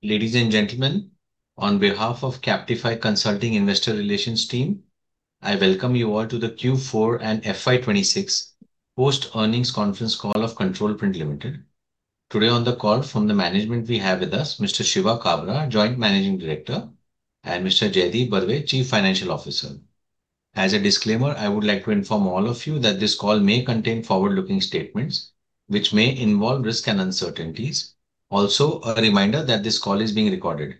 Ladies and gentlemen, on behalf of Kaptify Consulting investor relations team, I welcome you all to the Q4 and FY 2026 post-earnings conference call of Control Print Limited. Today on the call from the management we have with us Mr. Shiva Kabra, Joint Managing Director, and Mr. Jaideep Barve, Chief Financial Officer. As a disclaimer, I would like to inform all of you that this call may contain forward-looking statements, which may involve risk and uncertainties. Also, a reminder that this call is being recorded.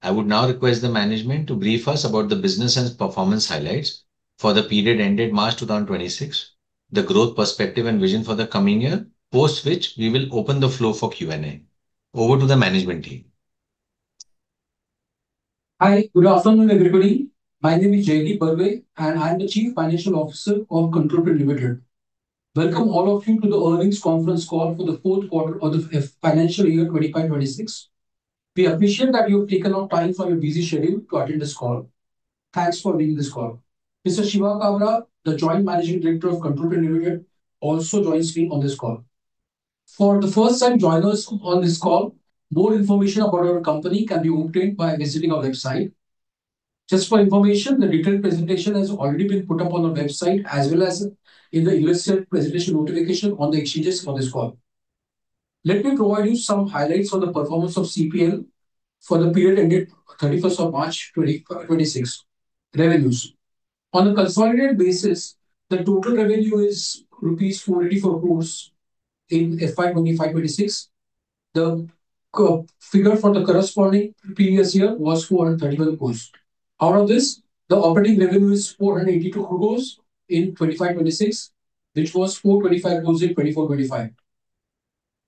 I would now request the management to brief us about the business and performance highlights for the period ended March 2026, the growth perspective and vision for the coming year, post which we will open the floor for Q&A. Over to the management team. Hi. Good afternoon, everybody. My name is Jaideep Barve, and I'm the Chief Financial Officer of Control Print Limited. Welcome all of you to the earnings conference call for the fourth quarter of the financial year 25/26. We appreciate that you have taken out time from your busy schedule to attend this call. Thanks for being on this call. Mr. Shiva Kabra, the Joint Managing Director of Control Print Limited also joins me on this call. For the first-time joiners on this call, more information about our company can be obtained by visiting our website. Just for information, the detailed presentation has already been put up on our website as well as in the U.S.A. presentation notification on the exchanges for this call. Let me provide you some highlights on the performance of CPL for the period ended March 31, 2026. Revenues. On a consolidated basis, the total revenue is rupees 484 crores in FY 2025/2026. The figure for the corresponding previous year was 431 crores. Out of this, the operating revenue is 482 crores in 2025/2026, which was 425 crores in 2024/2025.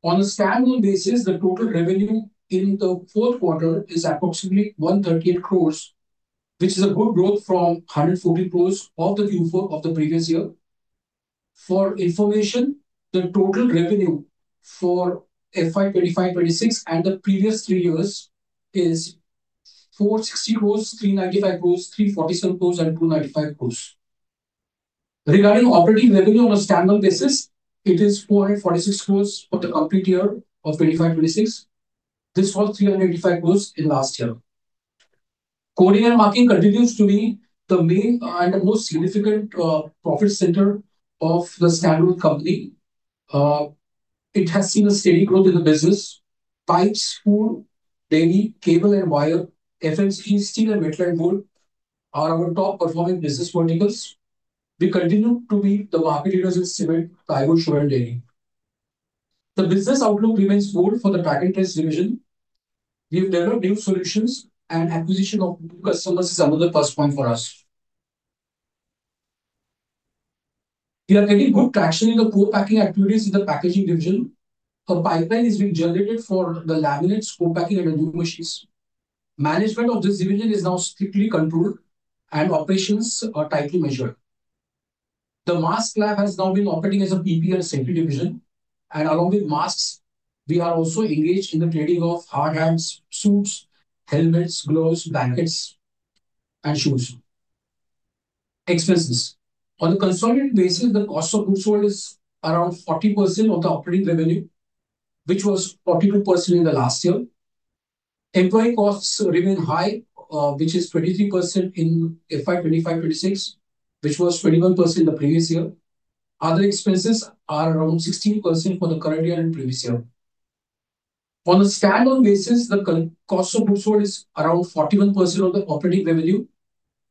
On a standalone basis, the total revenue in the fourth quarter is approximately 138 crores, which is a good growth from 140 crores of the Q4 of the previous year. For information, the total revenue for FY 2025/2026 and the previous three years is 460 crores, 395 crores, 347 crores, and 295 crores. Regarding operating revenue on a standalone basis, it is 446 crores for the complete year of 2025/2026. This was 385 crores in last year. Coding and marking continues to be the main and the most significant profit center of the standalone company. It has seen a steady growth in the business. Pipes, foil, dairy, cable and wire, FMCG, steel and metallic board are our top-performing business verticals. We continue to be the market leaders in cement, tire cord, shoe, and dairy. The business outlook remains good for the packaging solutions. We have developed new solutions, and acquisition of new customers is another plus point for us. We are getting good traction in the co-packing activities in the packaging division. A pipeline is being generated for the laminates co-packing and vending machines. Management of this division is now strictly controlled and operations are tightly measured. The Mask Lab has now been operating as a PPE separate division, and along with masks, we are also engaged in the trading of hard hats, suits, helmets, gloves, blankets, and shoes. Expenses. On a consolidated basis, the cost of goods sold is around 40% of the operating revenue, which was 42% in the last year. Employee costs remain high, which is 23% in FY 2025/2026, which was 21% the previous year. Other expenses are around 16% for the current year and previous year. On a standalone basis, the cost of goods sold is around 41% of the operating revenue.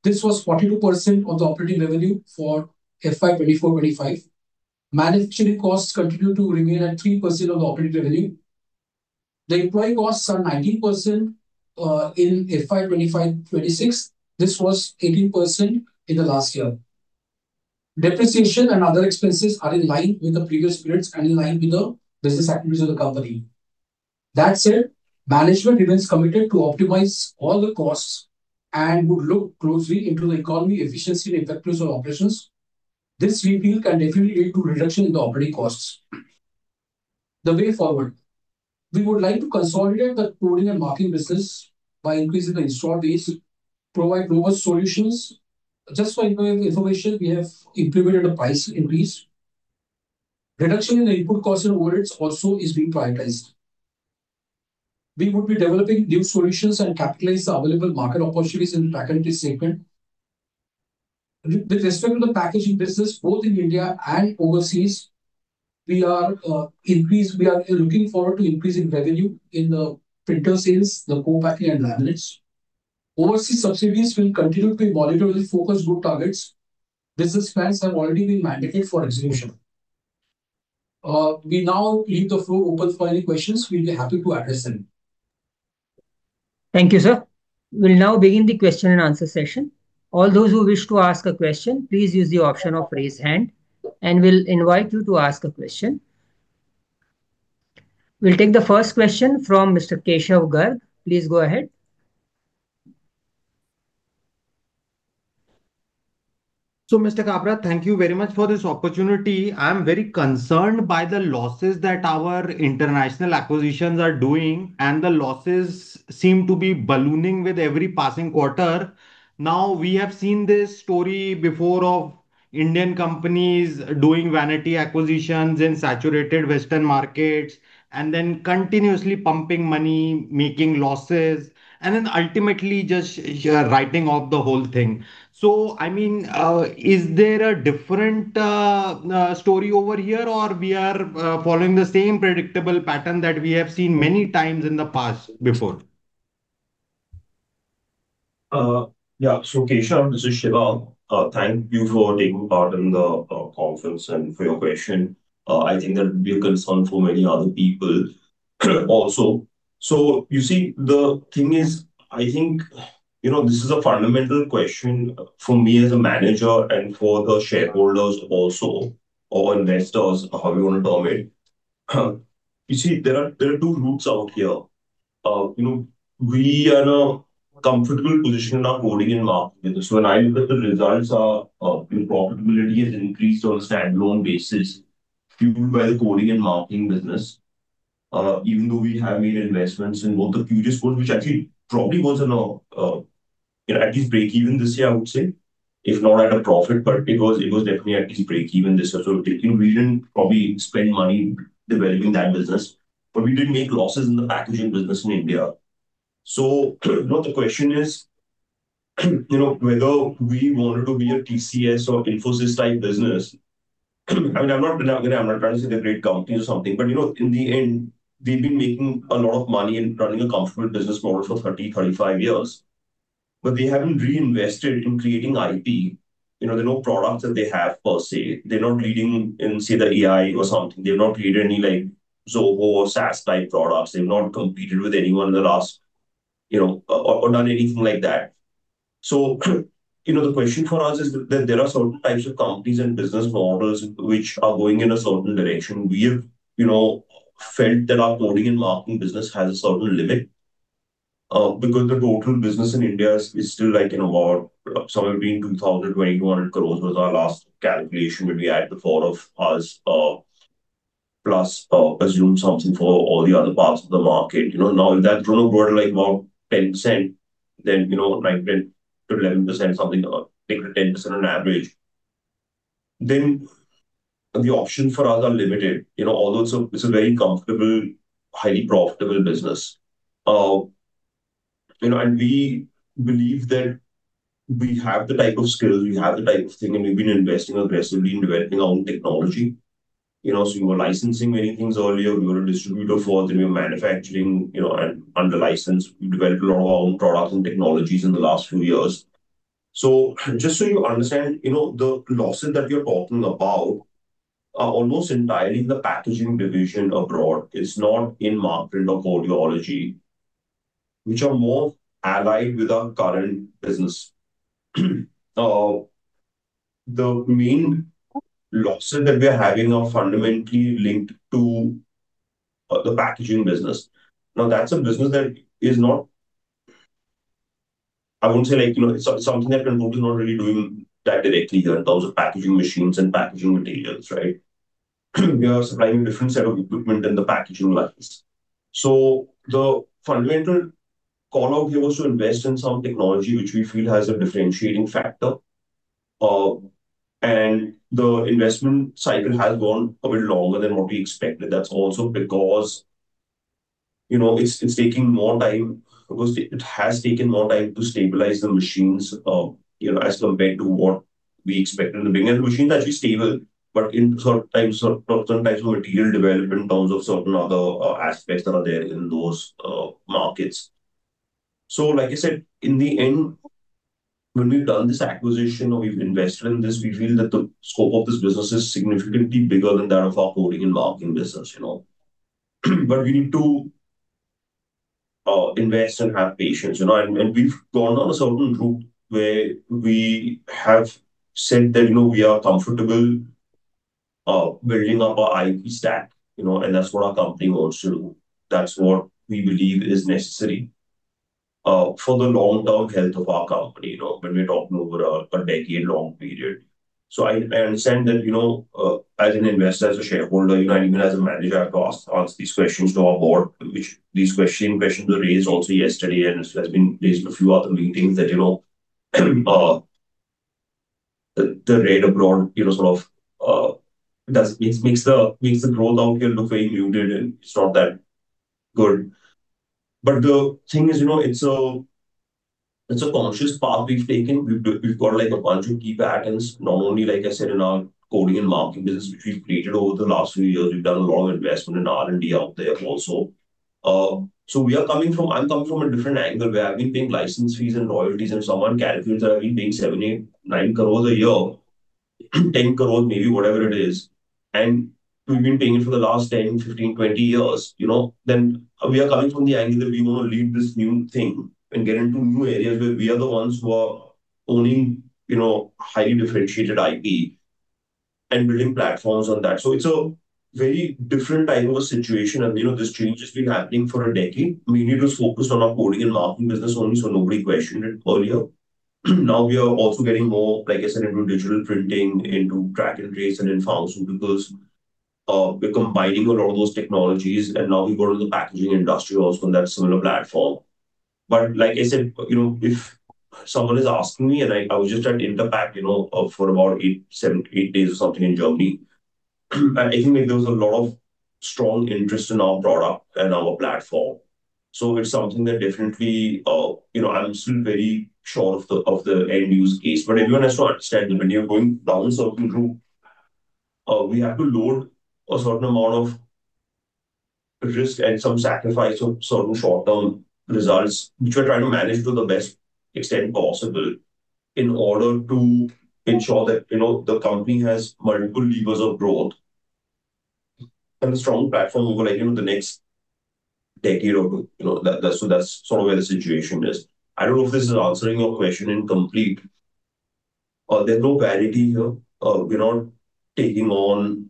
This was 42% of the operating revenue for FY 2024/2025. Manufacturing costs continue to remain at 3% of the operating revenue. The employee costs are 19% in FY 2025/2026. This was 18% in the last year. Depreciation and other expenses are in line with the previous periods and in line with the business activities of the company. That said, management remains committed to optimize all the costs and would look closely into the economy efficiency and effectiveness of operations. This review can definitely lead to reduction in the operating costs. The way forward, we would like to consolidate the coding and marking business by increasing the installed base, provide robust solutions. Just for your information, we have implemented a price increase. Reduction in the input costs and overheads also is being prioritized. We would be developing new solutions and capitalize the available market opportunities in the packaging segment. With respect to the packaging business, both in India and overseas, we are looking forward to increasing revenue in the printer sales, the co-packing and laminates. Overseas subsidiaries will continue to be monitored with focused group targets. Business plans have already been mandated for execution. We now leave the floor open for any questions. We'll be happy to address them. Thank you, sir. We'll now begin the question and answer session. All those who wish to ask a question, please use the option of raise hand, and we'll invite you to ask a question. We'll take the first question from Mr. Keshav Garg. Please go ahead. Mr. Kabra, thank you very much for this opportunity. I am very concerned by the losses that our international acquisitions are doing, and the losses seem to be ballooning with every passing quarter. We have seen this story before Indian companies doing vanity acquisitions in saturated Western markets, and then continuously pumping money, making losses, and then ultimately just writing off the whole thing. Is there a different story over here or we are following the same predictable pattern that we have seen many times in the past before? Keshav, this is Shiva. Thank you for taking part in the conference and for your question. I think that will be a concern for many other people also. You see, the thing is, I think, this is a fundamental question for me as a manager and for the shareholders also, or investors, however you want to term it. You see, there are two routes out here. We are in a comfortable position in our coding and marking business. When I look at the results, our profitability has increased on a standalone basis, fueled by the coding and marking business. Even though we have made investments in both the QRiousCodes, which actually probably wasn't at least breakeven this year, I would say, if not at a profit, but it was definitely at least breakeven this year. We didn't probably spend money developing that business, but we did make losses in the packaging business in India. Now the question is, whether we wanted to be a TCS or Infosys type business. I'm not trying to say they're great companies or something, but, in the end, they've been making a lot of money in running a comfortable business model for 30, 35 years, but they haven't reinvested in creating IP. There are no products that they have per se. They're not leading in, say, the AI or something. They've not created any Zoho or SaaS type products. They've not competed with anyone in the last or done anything like that. The question for us is that there are certain types of companies and business models which are going in a certain direction. We have felt that our coding and marking business has a certain limit, because the total business in India is still like somewhere between 2,000-2,200 crores was our last calculation when we had the four of us, plus presumed something for all the other parts of the market. If that grows broadly about 10%, then 9%-11%, something like that, 10% on average, then the options for us are limited. We believe that we have the type of skills, we have the type of thing, and we've been investing aggressively in developing our own technology. We were licensing many things earlier. We were a distributor for, then we were manufacturing under license. We developed a lot of our own products and technologies in the last few years. Just so you understand, the losses that you're talking about are almost entirely in the packaging division abroad. It's not in marking or coding technology, which are more allied with our current business. The main losses that we are having are fundamentally linked to the packaging business. That's a business that is not I wouldn't say, it's something that Rennco is not really doing that directly here in terms of packaging machines and packaging materials, right? We are supplying a different set of equipment than the packaging lines. The fundamental call out here was to invest in some technology which we feel has a differentiating factor. The investment cycle has gone a bit longer than what we expected. That's also because it has taken more time to stabilize the machines as compared to what we expected in the beginning. The machine is actually stable, but in certain types of material development, in terms of certain other aspects that are there in those markets. Like I said, in the end, when we've done this acquisition or we've invested in this, we feel that the scope of this business is significantly bigger than that of our coding and marking business. We need to invest and have patience. We've gone on a certain route where we have said that we are comfortable building up our IP stack, and that's what our company wants to do. That's what we believe is necessary for the long-term health of our company, when we're talking over a decade-long period. I understand that, as an investor, as a shareholder, and even as a manager, I have to ask these questions to our board. These questions were raised also yesterday and has been raised in a few other meetings that the rate abroad sort of makes the growth out here look very muted, and it's not that good. The thing is, it's a conscious path we've taken. We've got a bunch of key patents, not only, like I said, in our coding and marking business, which we've created over the last few years. We've done a lot of investment in R&D out there also. I'm coming from a different angle, where I've been paying license fees and royalties, and someone calculates that I've been paying 7, 8, 9 crores a year, 10 crores maybe, whatever it is, and we've been paying it for the last 10, 15, 20 years. We are coming from the angle that we want to lead this new thing and get into new areas where we are the ones who are owning highly differentiated IP and building platforms on that. It's a very different type of a situation, and this change has been happening for a decade. We need to focus on our coding and marking business only, so nobody questioned it earlier. Now we are also getting more, like I said, into digital printing, into track and trace, and in pharmaceuticals. We're combining a lot of those technologies, and now we've got all the packaging industry also on that similar platform. Like I said, if someone is asking me, and I was just at interpack for about seven, eight days or something in Germany, I think there was a lot of strong interest in our product and our platform. It's something that definitely, I'm still very sure of the end-use case. Everyone has to understand that when you're going down a certain route, we have to load a certain amount of risk and some sacrifice of certain short-term results, which we're trying to manage to the best extent possible in order to ensure that the company has multiple levers of growth and a strong platform over the next decade or two. That's sort of where the situation is. I don't know if this is answering your question in complete. There's no vanity here. We're not taking on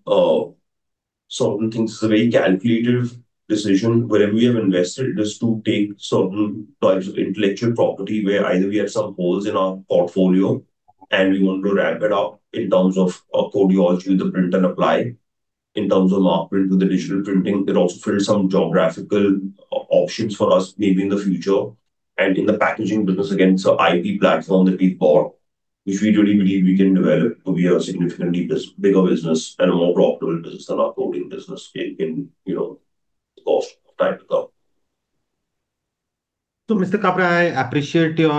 certain things. It's a very calculative decision. Wherever we have invested is to take certain types of intellectual property, where either we have some holes in our portfolio and we want to ramp it up in terms of Codeology, the print and apply, in terms of Markprint with the digital printing. It also fills some geographical options for us, maybe in the future. In the packaging business, again, it's an IP platform that we bought, which we really believe we can develop to be a significantly bigger business and a more profitable business than our coding business in course of time to come. Mr. Kabra, I appreciate your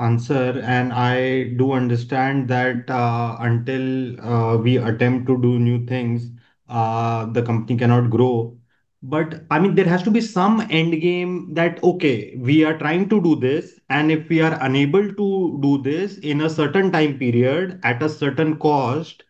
answer, and I do understand that until we attempt to do new things, the company cannot grow. There has to be some end game that, okay, we are trying to do this, and if we are unable to do this in a certain time period at a certain cost,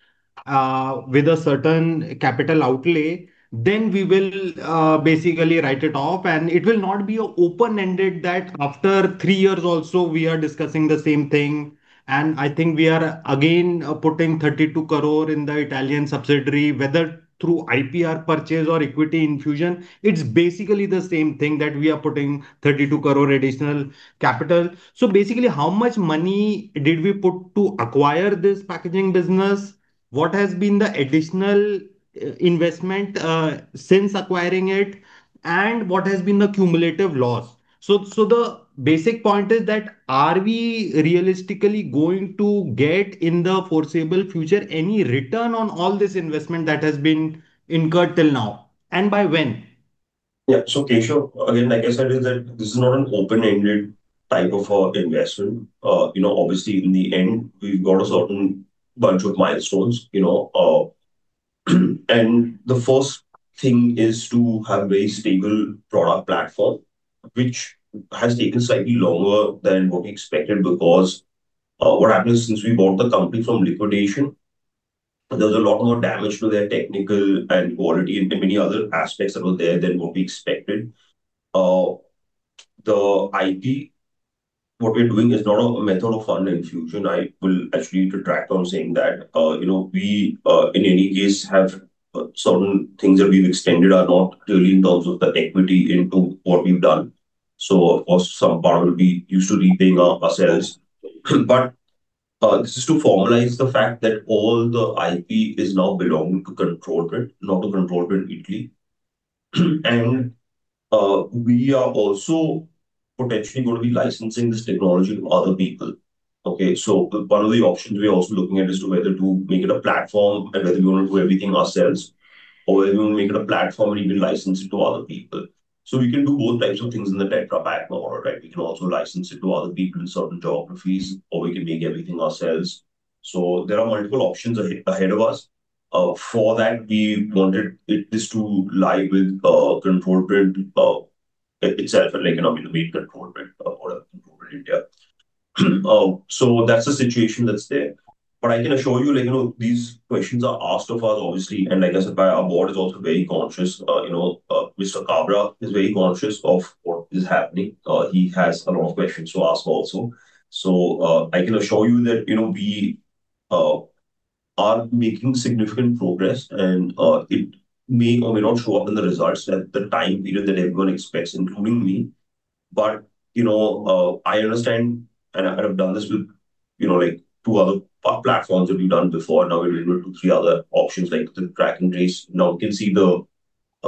with a certain capital outlay, then we will basically write it off, and it will not be open-ended that after three years also, we are discussing the same thing. I think we are again putting 32 crore in the Italian subsidiary, whether through IPR purchase or equity infusion. It's basically the same thing that we are putting 32 crore additional capital. Basically, how much money did we put to acquire this packaging business? What has been the additional investment since acquiring it, and what has been the cumulative loss? The basic point is that are we realistically going to get, in the foreseeable future, any return on all this investment that has been incurred till now, and by when? Yeah. Keshav, again, like I said, this is not an open-ended type of investment. Obviously, in the end, we've got a certain bunch of milestones. The first thing is to have a very stable product platform, which has taken slightly longer than what we expected because what happened is, since we bought the company from liquidation, there was a lot more damage to their technical and quality and many other aspects that were there than what we expected. The IP, what we're doing is not a method of fund infusion. I will actually retract on saying that. We, in any case, have certain things that we've extended are not clearly in terms of the equity into what we've done. Of course, some part will be used to repaying our ourselves. This is to formalize the fact that all the IP is now belonging to Control Print, not to Control Print Italy. We are also potentially going to be licensing this technology to other people. One of the options we are also looking at is whether to make it a platform and whether we want to do everything ourselves, or whether we want to make it a platform and even license it to other people. We can do both types of things in the Tetra Pak model, right? We can also license it to other people in certain geographies, or we can make everything ourselves. There are multiple options ahead of us. For that, we wanted this to lie with Control Print itself, I mean, the main Control Print product in India. That's the situation that's there. I can assure you, these questions are asked of us, obviously, and like I said, our board is also very conscious. Mr. Kabra is very conscious of what is happening. He has a lot of questions to ask also. I can assure you that we are making significant progress, and it may or may not show up in the results at the time period that everyone expects, including me. I understand, and I have done this with two other platforms that we've done before. Now we're moving to three other options, like the track and trace. Now we can see the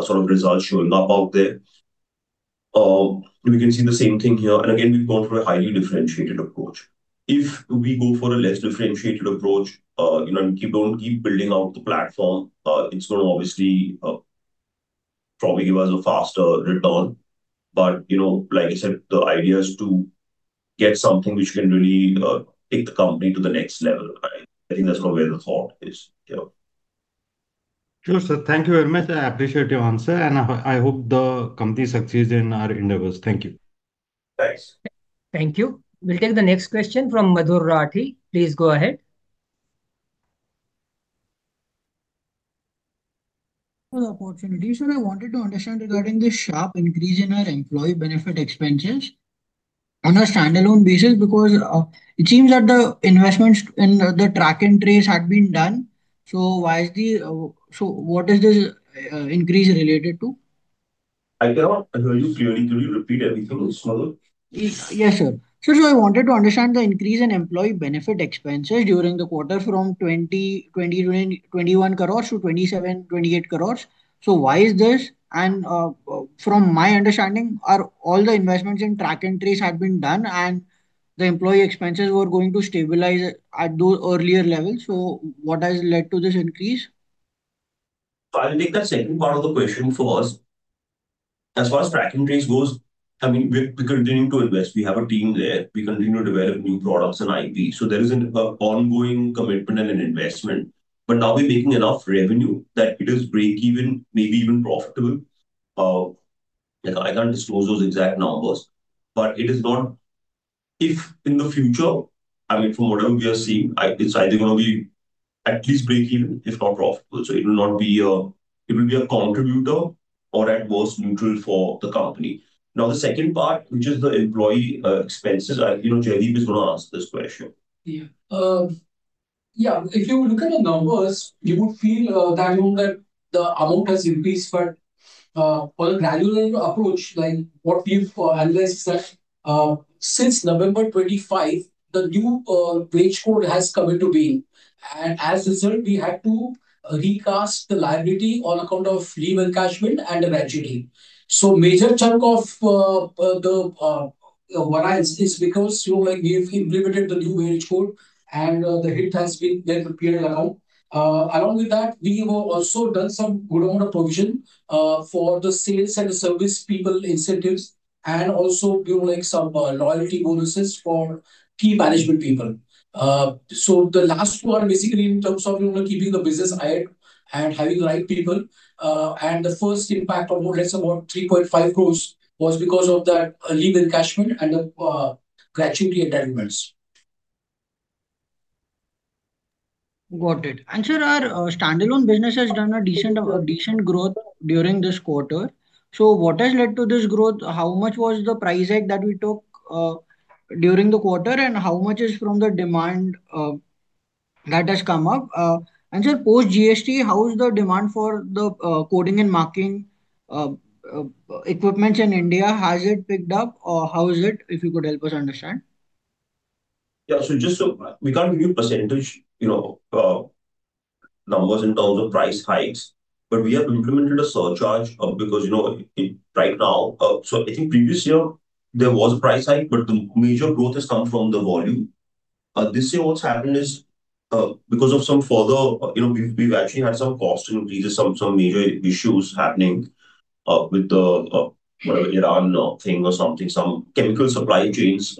sort of results showing up out there. We can see the same thing here. Again, we've gone through a highly differentiated approach. If we go for a less differentiated approach, and don't keep building out the platform, it's going to obviously probably give us a faster return. Like I said, the idea is to get something which can really take the company to the next level. I think that's where the thought is. Yeah. Sure, sir. Thank you very much. I appreciate your answer, and I hope the company succeeds in our endeavors. Thank you. Thanks. Thank you. We'll take the next question from Madhur Rathi. Please go ahead. For the opportunity, sir. I wanted to understand regarding the sharp increase in our employee benefit expenses on a standalone basis, because it seems that the investments in the track and trace had been done. What is this increase related to? I cannot hear you clearly. Could you repeat everything, Sumul? Yes, sir. I wanted to understand the increase in employee benefit expenses during the quarter from 20-21 crores to 27-28 crores. Why is this? From my understanding, are all the investments in Track and Trace have been done and the employee expenses were going to stabilize at those earlier levels. What has led to this increase? I'll take that second part of the question first. As far as Track and Trace goes, I mean, we're continuing to invest. We have a team there. We continue to develop new products and IP. There is an ongoing commitment and an investment. Are we making enough revenue that it is break-even, maybe even profitable? You know, I can't disclose those exact numbers, but it is not If in the future, I mean, from whatever we are seeing, it's either gonna be at least break-even, if not profitable. It will be a contributor or at most neutral for the company. Now, the second part, which is the employee expenses. I, you know, Jaideep is going to ask this question. Yeah. If you look at the numbers, you would feel the amount has increased. For a gradual approach, like what we've analyzed since November 2025, the new Wage Code has come into being. As a result, we had to recast the liability on account of leave encashment and the gratuity. Major chunk of the variance is because we have implemented the new Wage Code and the hit has been applied around. We have also done some good other provision for the sales and service people incentives and also some loyalty bonuses for key management people. The last two are basically in terms of keeping the business ahead and having the right people. The first impact of more or less about 3.5 crores was because of that, leave encashment and the gratuity entitlements. Got it. Sir, our standalone business has done a decent growth during this quarter. What has led to this growth? How much was the price hike that we took during the quarter? How much is from the demand that has come up? Sir, post GST, how is the demand for the coding and marking equipments in India? Has it picked up or how is it, if you could help us understand? Yeah. Just so We can't give you % you know, numbers in terms of price hikes. We have implemented a surcharge, because, you know, it Right now, I think previous year there was a price hike, but the major growth has come from the volume. This year what's happened is, because of some further, you know, we've actually had some cost increases, some major issues happening with the Iran thing or something, some chemical supply chains.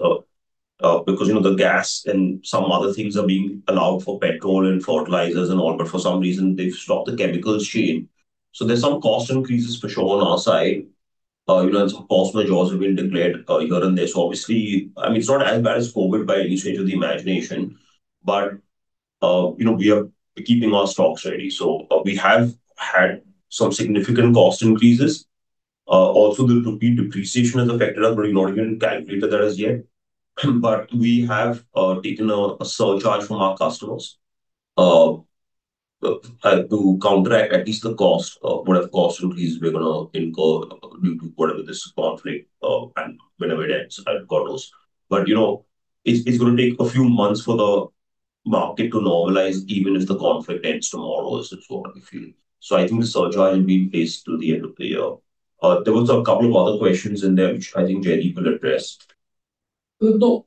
Because, you know, the gas and some other things are being allowed for petrol and fertilizers and all, but for some reason they've stopped the chemical stream. There's some cost increases for sure on our side. You know, and some cost margins have been declared here and there. Obviously, I mean, it's not as bad as COVID by any stretch of the imagination, but, you know, we are keeping our stocks ready. We have had some significant cost increases. Also there could be depreciation has affected us, but we've not even calculated that as yet. We have taken a surcharge from our customers to counteract at least the cost of whatever cost increase we're gonna incur due to whatever this conflict, and whenever it ends, goes. You know, it's gonna take a few months for the market to normalize, even if the conflict ends tomorrow, as it were to be. I think the surcharge will be in place till the end of the year. There was a couple of other questions in there which I think Jaideep will address. No,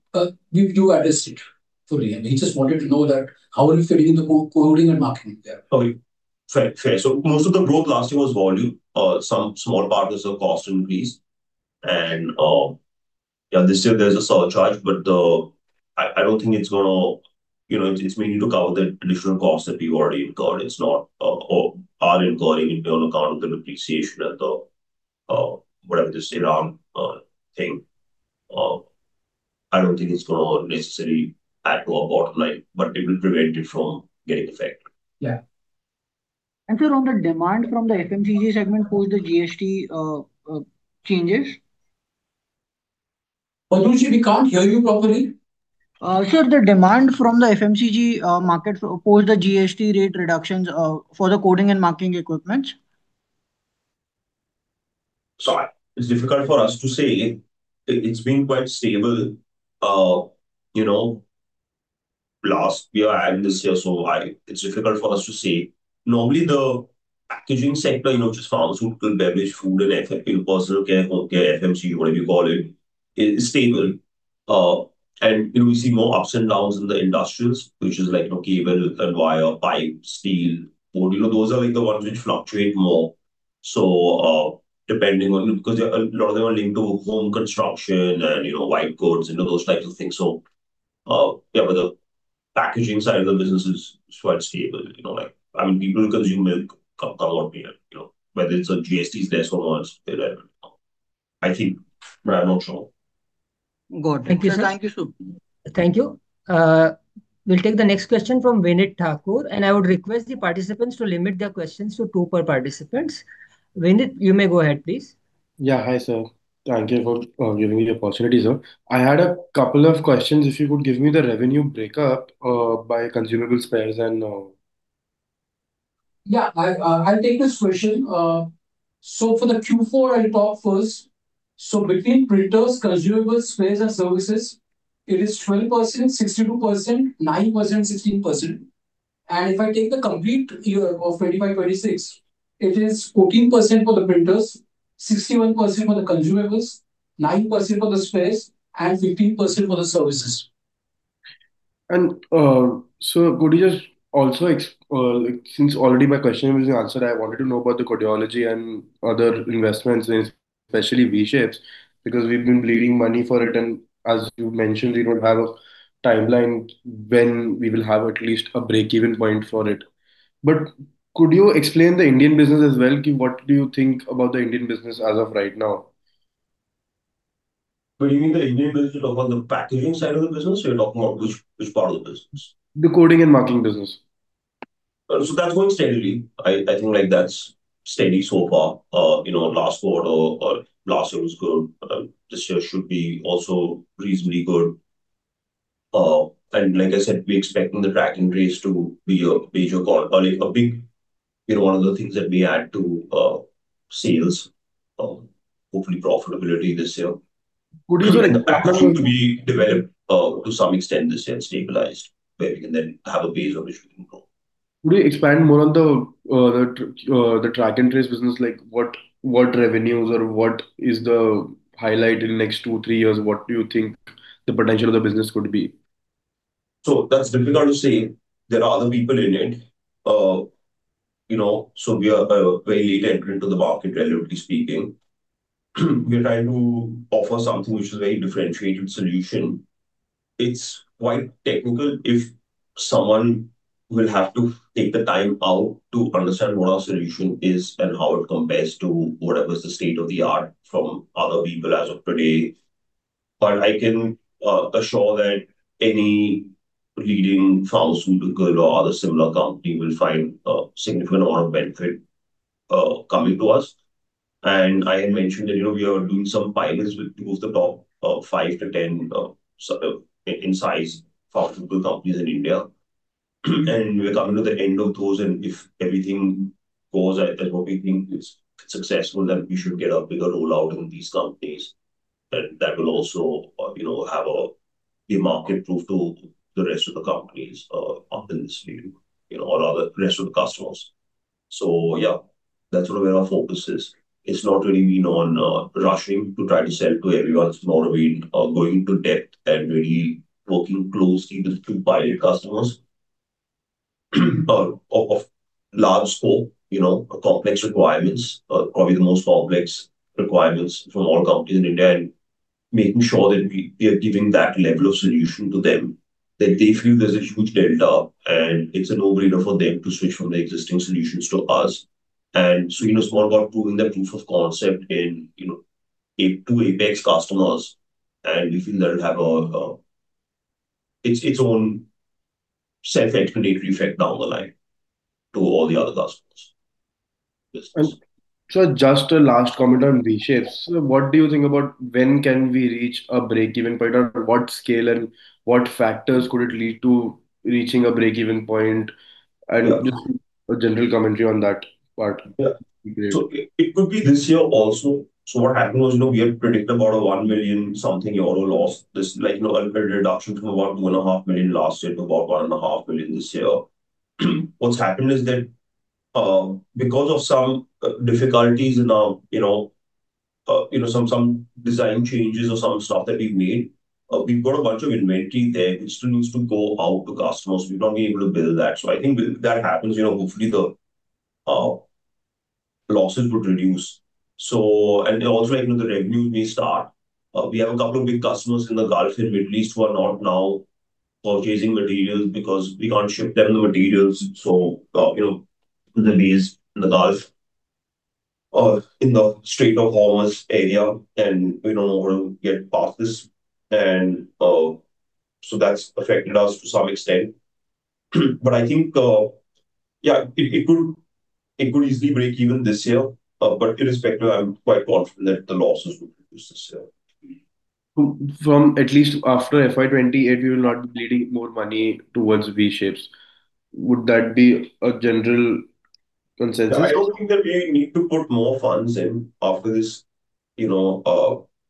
we do address it fully. He just wanted to know that how are we fairing in the coding and marking there. Okay. Fair. Fair. Most of the growth last year was volume. Some small part was a cost increase. Yeah, this year there's a surcharge, but I don't think it's gonna. You know, it's mainly to cover the additional cost that we've already incurred. It's not, or are incurring on account of the depreciation and the whatever this Iran thing. I don't think it's gonna necessarily add to our bottom line, but it will prevent it from getting affected. Yeah. Sir, on the demand from the FMCG segment post the GST, changes. [madhur], we can't hear you properly. Sir, the demand from the FMCG market post the GST rate reductions, for the coding and marking equipment's? It's difficult for us to say. It's been quite stable, you know, last year and this year. Normally the packaging sector, you know, just pharmaceutical, beverage, food and personal care, home care, FMCG, whatever you call it, is stable. You know, we see more ups and downs in the industrials, which is like, you know, cable and wire, pipes, steel, wood. You know, those are like the ones which fluctuate more. Because a lot of them are linked to home construction and, you know, white goods and those types of things. The packaging side of the business is quite stable, you know, like, I mean, people consume milk, come what may, you know. Whether it's a GST is there or not, they don't know. I think, but I'm not sure. Got it. Thank you, sir. Thank you, Sumul. Thank you. We'll take the next question from Vinit Thakur. I would request the participants to limit their questions to two per participants. Vinit, you may go ahead, please. Yeah. Hi, sir. Thank you for giving me the opportunity, sir. I had a couple of questions. If you could give me the revenue breakup by consumable spares and. Yeah. I'll take this question. For the Q4, I'll talk first. Between printers, consumables, space, and services, it is 12%, 62%, 9%, 16%. If I take the complete year of 2025/2026, it is 14% for the printers, 61% for the consumables, 9% for the space, and 15% for the services. Since already my question was answered, I wanted to know about the Codeology and other investments in, especially V-Shapes, because we've been bleeding money for it, and as you mentioned, we don't have a timeline when we will have at least a break-even point for it. Could you explain the Indian business as well? What do you think about the Indian business as of right now? You mean the Indian business, you're talking about the packaging side of the business, or you're talking about which part of the business? The coding and marking business. That's going steadily. I think that's steady so far. Last quarter or last year was good. This year should be also reasonably good. Like I said, we're expecting the track and trace to be a major call, or one of the things that we add to sales, hopefully profitability this year. Could you Even the packaging to be developed, to some extent, this year, and stabilized, where we can then have a base on which we can grow. Could you expand more on the track and trace business? Like, what revenues or what is the highlight in the next two, three years? What do you think the potential of the business could be? That's difficult to say. There are other people in it. We are a very late entrant to the market, relatively speaking. We're trying to offer something which is a very differentiated solution. It's quite technical. If someone will have to take the time out to understand what our solution is and how it compares to whatever is the state of the art from other people as of today. I can assure that any leading pharmaceutical or other similar company will find a significant amount of benefit coming to us. I had mentioned that we are doing some pilots with 2 of the top 5 to 10, in size, pharmaceutical companies in India. We're coming to the end of those, and if everything goes as what we think is successful, then we should get a bigger rollout in these companies. That will also be market proof to the rest of the companies up in this field, or other rest of the customers. Yeah, that's where our focus is. It's not really been on rushing to try to sell to everyone. It's more of going into depth and really working closely with a few pilot customers, of large scope, complex requirements, probably the most complex requirements from all companies in India, and making sure that we are giving that level of solution to them, that they feel there's a huge delta and it's a no-brainer for them to switch from the existing solutions to us. It's more about proving the proof of concept in 2 apex customers, and we feel that it'll have its own self-explanatory effect down the line to all the other customers. Sir, just a last comment on V-Shapes. What do you think about when can we reach a break-even point? What scale and what factors could it lead to reaching a break-even point? Just a general commentary on that part. Yeah. Be great. It could be this year also. What happened was, we have predicted about a 1 million euro something loss. This, like, reduction from about 2.5 million last year to about 1.5 million this year. What's happened is that, because of some difficulties in some design changes or some stuff that we've made, we've got a bunch of inventory there which still needs to go out to customers. We've not been able to build that. I think that happens, hopefully the losses would reduce. Also the revenues may start. We have a couple of big customers in the Gulf, at least who are not now purchasing materials because we can't ship them the materials. The delays in the Gulf, in the Strait of Hormuz area, and we don't know how to get past this. That's affected us to some extent. I think, yeah, it could easily break even this year. Irrespective, I'm quite confident the losses will reduce this year. From at least after FY 2028, we will not be needing more money towards V-Shapes. Would that be a general consensus? I don't think that we need to put more funds in after this.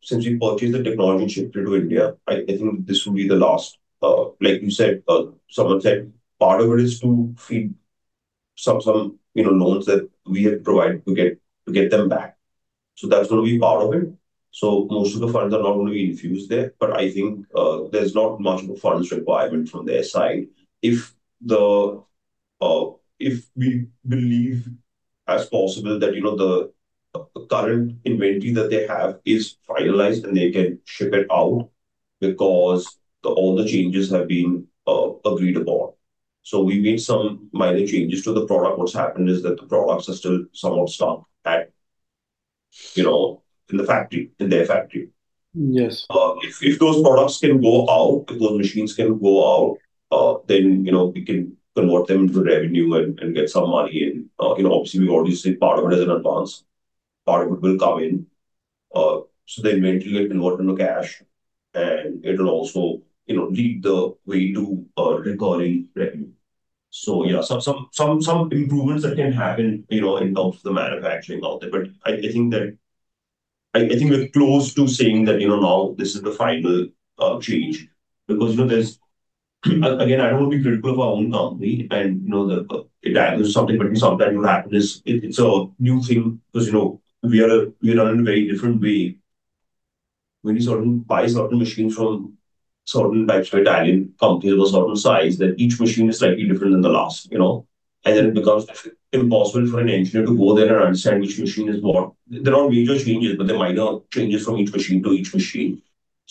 Since we purchased the technology and shifted to India, I think this will be the last, like you said, someone said, part of it is to feed some loans that we have provided to get them back. That's going to be part of it. Most of the funds are not going to be infused there, but I think, there's not much of a funds requirement from their side. If we believe as possible that the current inventory that they have is finalized and they can ship it out because all the changes have been agreed upon. We made some minor changes to the product. What's happened is that the products are still somewhat stuck in the factory, in their factory. Yes. If those products can go out, if those machines can go out, then we can convert them into revenue and get some money and, obviously, we already see part of it as an advance. Part of it will come in. They eventually get converted into cash, and it'll also lead the way to recurring revenue. Yeah, some improvements that can happen in terms of the manufacturing out there. I think we're close to saying that now this is the final change, because, look, again, I don't want to be critical of our own company, and it happens, something will happen. It's a new thing because we are run in a very different way. When you buy a certain machine from certain types of Italian companies of a certain size, that each machine is slightly different than the last. It becomes impossible for an engineer to go there and understand which machine is what. There are no major changes, but there are minor changes from each machine to each machine.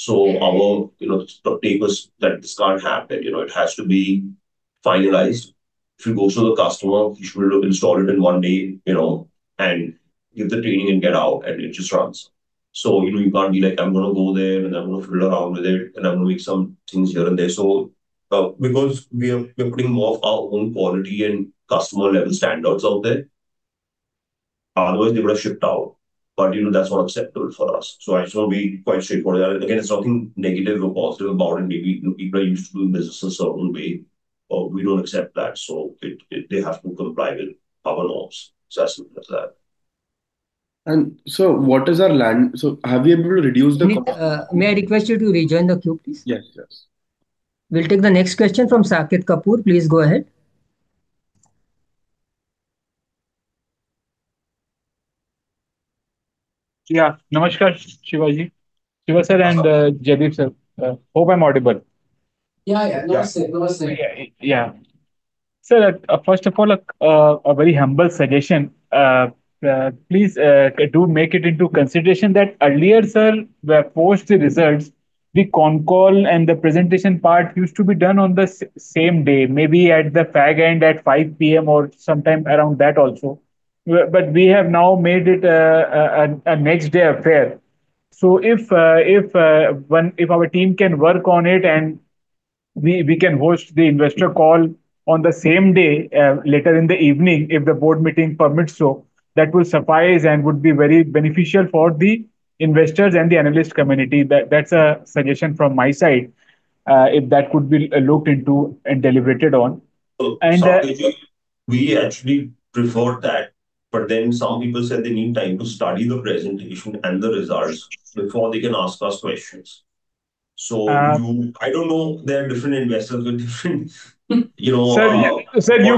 Our take is that this can't happen. It has to be finalized. If you go to the customer, you should be able to install it in one day, and give the training and get out, and it just runs. You can't be like, "I'm going to go there, and I'm going to fiddle around with it, and I'm going to make some things here and there." We are putting more of our own quality and customer level standards out there. Otherwise, they would have shipped out. That's not acceptable for us. I just want to be quite straightforward. Again, it's nothing negative or positive about it. Maybe people are used to doing business a certain way, or we don't accept that, so they have to comply with our laws. That's that. What is our land? May I request you to rejoin the queue, please? Yes. We'll take the next question from Saket Kapoor. Please go ahead. Yeah. Namaskar, Shiva. Shiva Sir and Jaideep Sir. Hope I'm audible. Yeah. Namaste. Yeah. Sir, first of all, a very humble suggestion. Please do make it into consideration that earlier, sir, we are forced to research. The concall and the presentation part used to be done on the same day, maybe at the far end at 5:00 P.M. or sometime around that also. We have now made it a next-day affair. If our team can work on it and we can host the investor call on the same day, later in the evening, if the board meeting permits so, that will suffice and would be very beneficial for the investors and the analyst community. That's a suggestion from my side, if that could be looked into and deliberated on. Saket, we actually preferred that, but then some people said they need time to study the presentation and the results before they can ask us questions. I don't know, there are different investors with different. Sir, you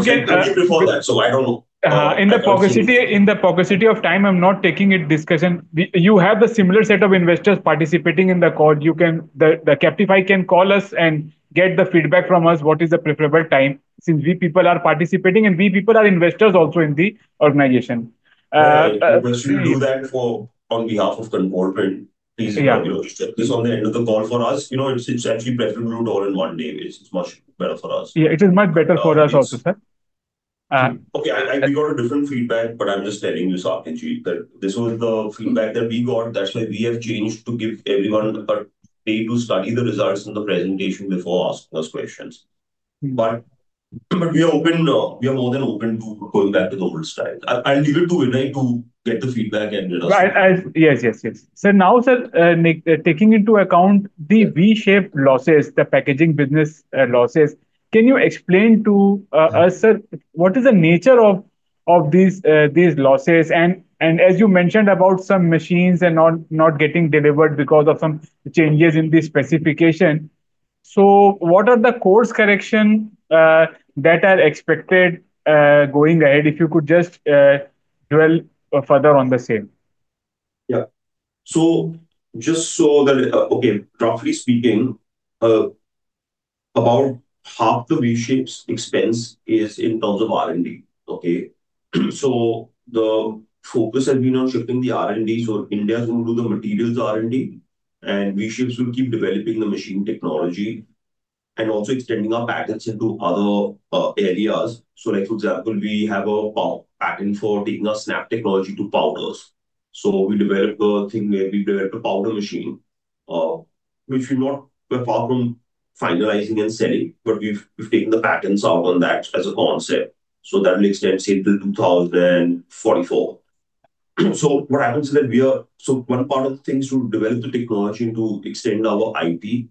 can Prefer that, so I don't know. In the paucity of time, I'm not taking this discussion. You have the similar set of investors participating in the call. The Kaptify can call us and get the feedback from us, what is the preferable time, since we people are participating and we people are investors also in the organization. We do that on behalf of Control Print. Yeah. This on the end of the call for us, it's actually better to do it all in one day. It's much better for us. Yeah, it is much better for us also, sir. Okay. We got a different feedback, but I'm just telling you, Saket, that this was the feedback that we got. That's why we have changed to give everyone a day to study the results and the presentation before asking us questions. We are more than open to going back to the old style. I'll leave it to Vinay to get the feedback and let us know. Right. Yes. Sir, sir, taking into account the V-Shapes losses, the packaging business losses, can you explain to us, sir, what is the nature of these losses? As you mentioned about some machines and not getting delivered because of some changes in the specification. What are the course correction that are expected, going ahead, if you could just dwell further on the same? Yeah. Roughly speaking, about half the V-Shapes' expense is in terms of R&D. Okay? The focus has been on shifting the R&D, India is going to do the materials R&D, and V-Shapes will keep developing the machine technology and also extending our patents into other areas. Like, for example, we have a patent for taking our snap technology to powders. We develop a thing where we develop a powder machine, which we're far from finalizing and selling, but we've taken the patents out on that as a concept. That will extend, say, till 2044. One part of the thing is to develop the technology to extend our IP.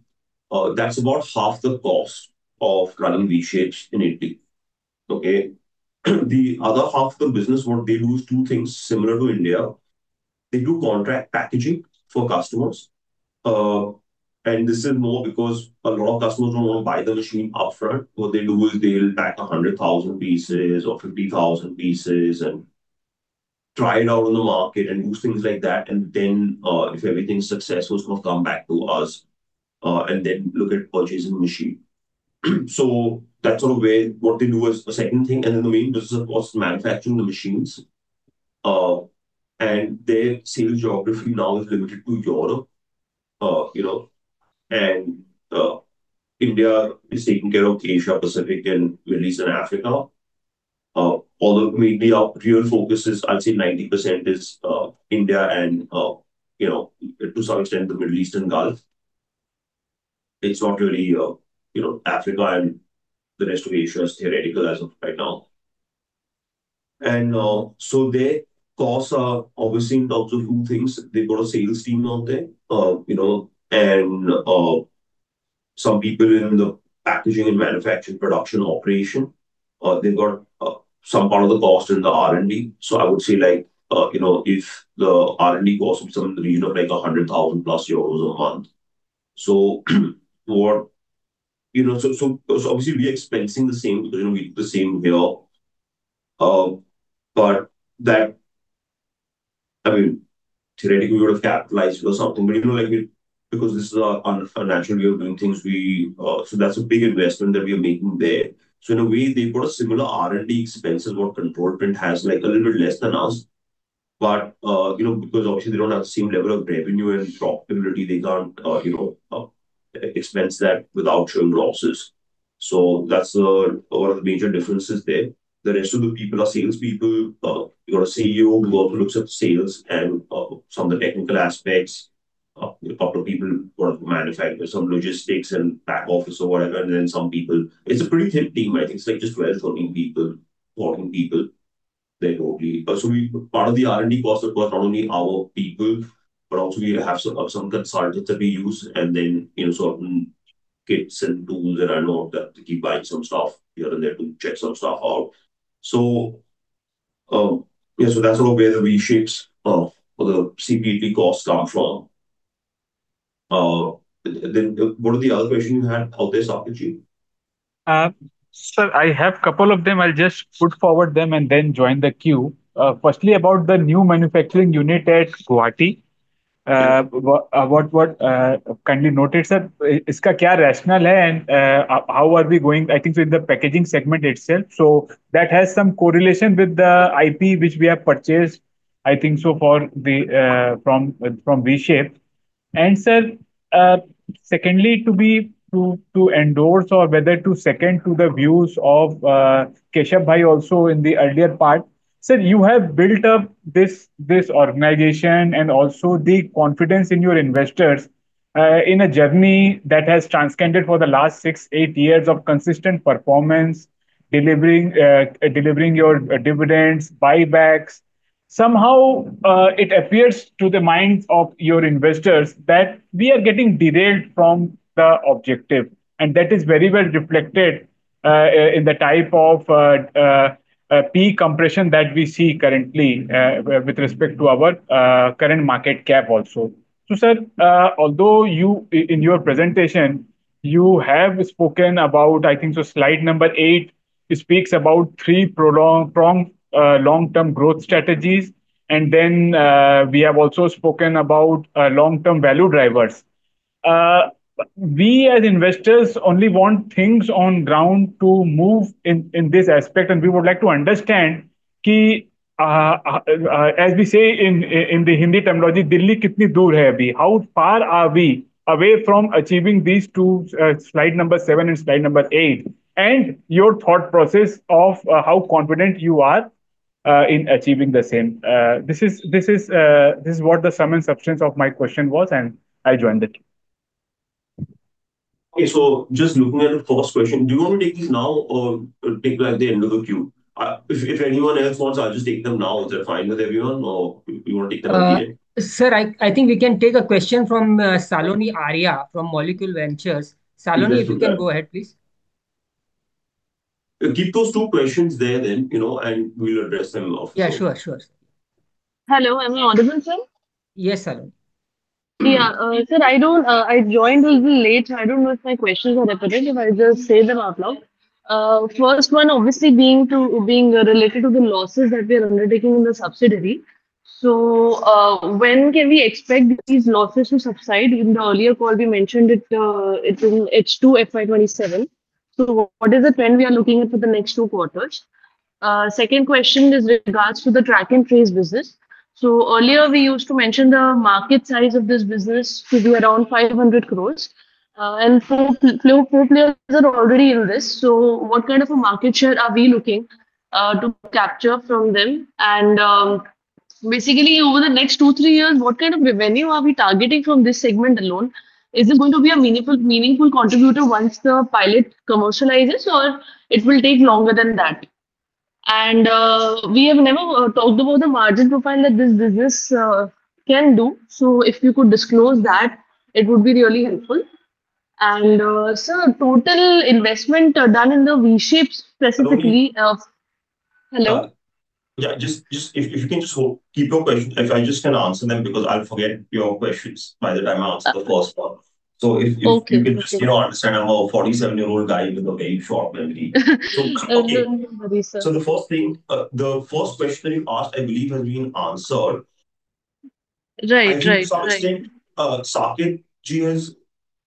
That's about half the cost of running V-Shapes in Italy. Okay? The other half of the business, what they do is 2 things similar to India. They do contract packaging for customers. This is more because a lot of customers don't want to buy the machine upfront. What they do is they'll pack 100,000 pieces or 50,000 pieces and try it out on the market and do things like that. If everything's successful, it's going to come back to us, and then look at purchasing the machine. That's one way. What they do is a second thing, the main business, of course, manufacturing the machines. Their sales geography now is limited to Europe. India is taking care of Asia, Pacific, and Middle East, and Africa. Although, maybe our real focus is, I'll say 90% is India and, to some extent, the Middle East and Gulf. It's not really, Africa and the rest of Asia is theoretical as of right now. Their costs are obviously in terms of two things. They've got a sales team out there. Some people in the packaging and manufacturing production operation. They've got some part of the cost in the R&D. I would say if the R&D cost is something in the region of 100,000 euros plus a month. Obviously we are expensing the same bill. That, theoretically, we would have capitalized or something. Because this is our financial way of doing things, that's a big investment that we are making there. In a way, they've got a similar R&D expenses what Control Print has, a little bit less than us. Because obviously they don't have the same level of revenue and profitability, they can't expense that without showing losses. That's one of the major differences there. The rest of the people are salespeople. You got a CEO who also looks at the sales and some of the technical aspects. A couple of people work manufacturing, some logistics and back office or whatever, and then some people. It's a pretty thin team. I think it's like just 12, 14 people there totally. Also, part of the R&D costs are not only our people, but also we have some consultants that we use and then certain kits and tools that I know that they keep buying some stuff here and there to check some stuff out. Yeah, so that's where the V-Shapes or the CP Italy costs come from. What are the other questions you had, [kapoor saket ji]? Sir, I have couple of them. I'll just put forward them and then join the queue. Firstly, about the new manufacturing unit at Guwahati. Yeah. What kindly noted, sir, how are we going, I think with the packaging segment itself. That has some correlation with the IP which we have purchased, I think so far from V-Shapes. Sir, secondly, to endorse or whether to second to the views of Keshav Bhai also in the earlier part. Sir, you have built up this organization and also the confidence in your investors, in a journey that has transcended for the last six, eight years of consistent performance, delivering your dividends, buybacks. Somehow, it appears to the minds of your investors that we are getting derailed from the objective, and that is very well reflected in the type of peak compression that we see currently with respect to our current market cap also. Sir, although in your presentation, you have spoken about, I think so slide number eight, it speaks about three pronged long-term growth strategies. Then, we have also spoken about long-term value drivers. We, as investors, only want things on ground to move in this aspect. We would like to understand as we say in the Hindi terminology, how far are we away from achieving these two, slide number seven and slide number eight. Your thought process of how confident you are in achieving the same. This is what the sum and substance of my question was. I join the queue. Okay, just looking at the first question, do you want me to take these now or take like the end of the queue? If anyone else wants, I'll just take them now, if that's fine with everyone, or you want to take them at the end? Sir, I think we can take a question from Saloni Arya from Molecule Ventures. Yes, we can. Saloni, if you can go ahead, please. Keep those two questions there then. We'll address them also. Yeah, sure. Hello, am I audible, sir? Yes, Saloni. Yeah. Sir, I joined a little late. I don't know if my questions are repetitive. I'll just say them out loud. First one obviously being related to the losses that we are undertaking in the subsidiary. When can we expect these losses to subside? In the earlier call, we mentioned it's in H2 FY 2027. What is the trend we are looking at for the next two quarters? Second question is with regards to the track and trace business. Earlier we used to mention the market size of this business to be around 500 crores. Four key players are already in this, so what kind of a market share are we looking to capture from them? Basically, over the next two, three years, what kind of revenue are we targeting from this segment alone? Is it going to be a meaningful contributor once the pilot commercializes, or it will take longer than that? We have never talked about the margin profile that this business can do. If you could disclose that, it would be really helpful. Sir, total investment done in the V-Shapes specifically Saloni. Hello. Yeah, if you can just hold, keep your question. If I just can answer them, because I'll forget your questions by the time I answer the first one. Okay. If you can just understand, I'm a 47-year-old guy with a very short memory. No worry, sir. The first thing, the first question that you asked, I believe, has been answered. Right. I think to some extent, Saket G has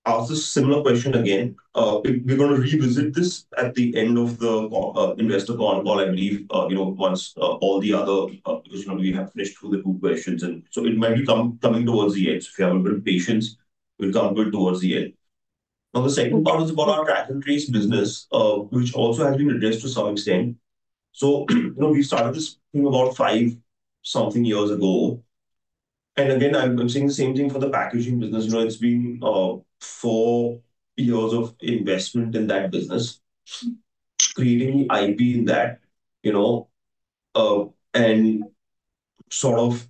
asked a similar question again. We're going to revisit this at the end of the investor call, I believe, once all the other, because we have finished through the two questions and so it might be coming towards the end. If you have a little patience, we'll come to it towards the end. Now, the second part is about our track and trace business, which also has been addressed to some extent. We started this thing about five something years ago. Again, I'm saying the same thing for the packaging business. It's been four years of investment in that business, creating IP in that, and sort of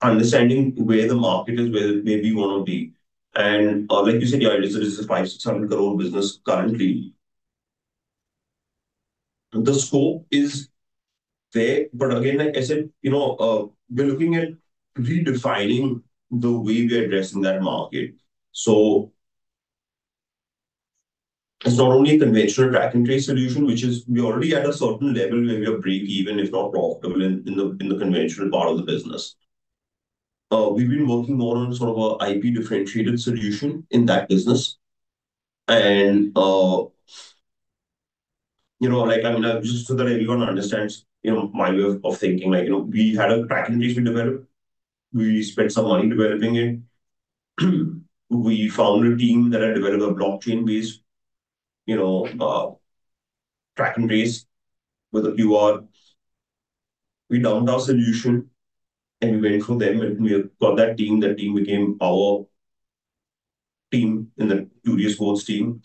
understanding where the market is, where it maybe want to be. Like you said, yeah, it is an 500 crore business currently. Again, like I said, we're looking at redefining the way we're addressing that market. It's not only a conventional track and trace solution, which is, we're already at a certain level where we are breakeven, if not profitable in the conventional part of the business. We've been working more on sort of a IP-differentiated solution in that business. Just so that everyone understands my way of thinking, we had a track and trace we developed. We spent some money developing it. We found a team that had developed a blockchain-based track and trace with a QR. We downed our solution, we went from them, we got that team. That team became our team in the Juris course team.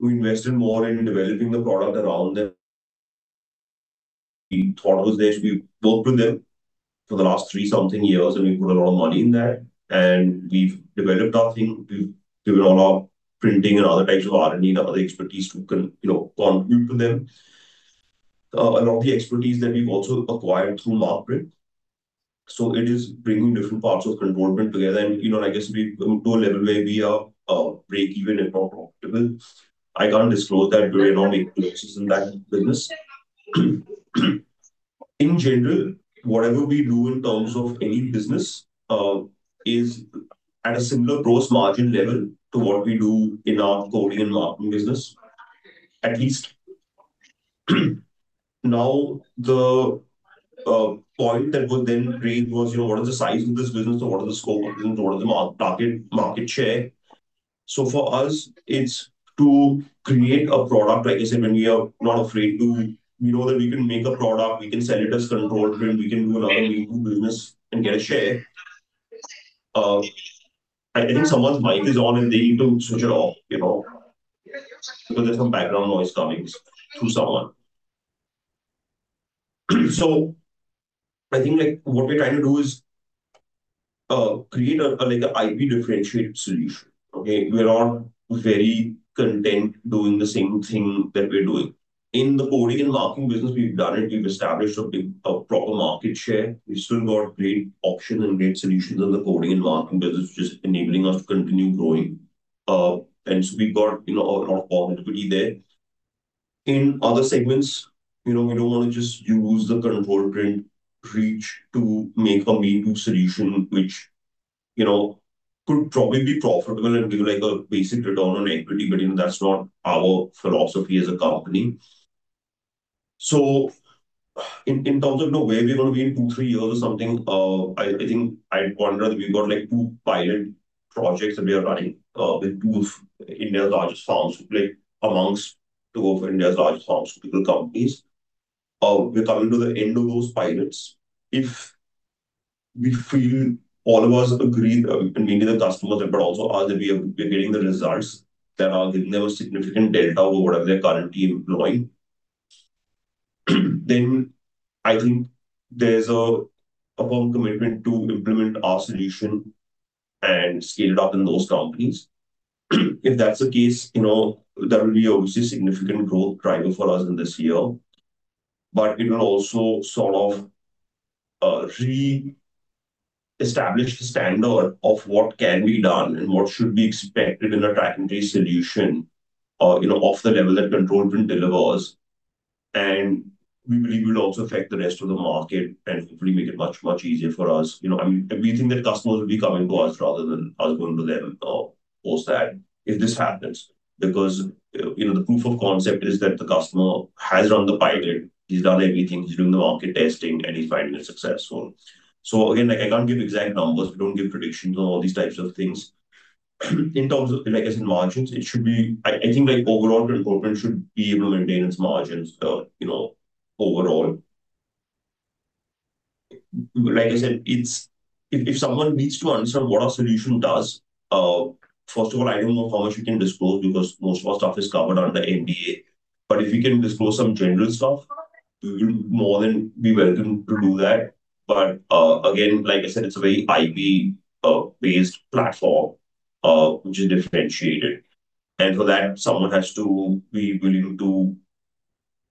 We invested more in developing the product around them. We thought it was there. We've worked with them for the last three something years, we've put a lot of money in that, and we've developed our thing. We've given a lot of printing and other types of R&D and other expertise to contribute to them. A lot of the expertise that we've also acquired through Markprint. It is bringing different parts of Control Print together. I guess we've come to a level where we are breakeven, if not profitable. I can't disclose that we're not making losses in that business. In general, whatever we do in terms of any business, is at a similar gross margin level to what we do in our coding and marking business, at least. The point that would then raise was, what is the size of this business, and what is the scope of this, and what is the market share? For us, it's to create a product, like I said, when we are not afraid to. We know that we can make a product, we can sell it as Control Print, we can do another meaningful business and get a share. I think someone's mic is on, and they need to switch it off, because there's some background noise coming through someone. I think what we're trying to do is, create a IP-differentiated solution. Okay. We're all very content doing the same thing that we're doing. In the coding and marking business, we've done it. We've established a big, proper market share. We've still got great options and great solutions in the coding and marking business, just enabling us to continue growing. We've got a lot of profitability there. In other segments, we don't want to just use the Control Print reach to make a me-too solution, which could probably be profitable and give a basic return on equity, but that's not our philosophy as a company. In terms of the way we're going to be in two, three years or something, I think I'd pondered that we've got two pilot projects that we are running, with two of India's largest pharmaceutical companies. We're coming to the end of those pilots. If we feel all of us agree, meaning the customers, but also us, that we're getting the results that are giving them a significant delta over whatever they're currently employing, then I think there's a firm commitment to implement our solution and scale it up in those companies. If that's the case, there will be obviously a significant growth driver for us in this year. It will also sort of re-establish the standard of what can be done and what should be expected in a track-and-trace solution, of the level that Control Print delivers. We believe it will also affect the rest of the market and hopefully make it much easier for us. We think that customers will be coming to us rather than us going to them, post that, if this happens. The proof of concept is that the customer has run the pilot, he's done everything, he's doing the market testing, and he's finding it successful. Again, I can't give exact numbers. We don't give predictions on all these types of things. In terms of, I guess, in margins, I think overall, Control Print should be able to maintain its margins overall. Like I said, if someone needs to understand what our solution does, first of all, I don't know how much we can disclose because most of our stuff is covered under NDA. If we can disclose some general stuff, you're more than be welcome to do that. Again, like I said, it's a very IP-based platform, which is differentiated. For that, someone has to be willing to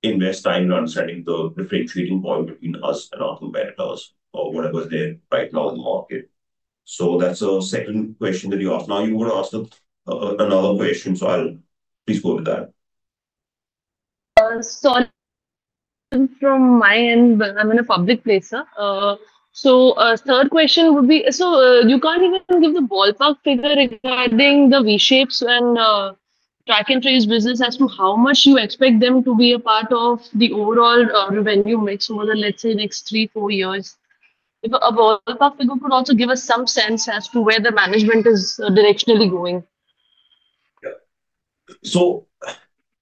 invest time in understanding the differentiating point between us and our competitors or whatever is there right now in the market. That's the second question that you asked. Now you want to ask another question, so I'll please go with that. From my end, I'm in a public place, sir. Third question would be, you can't even give the ballpark figure regarding the V-Shapes and track and trace business as to how much you expect them to be a part of the overall revenue mix more than, let's say, next three, four years. A ballpark figure could also give us some sense as to where the management is directionally going.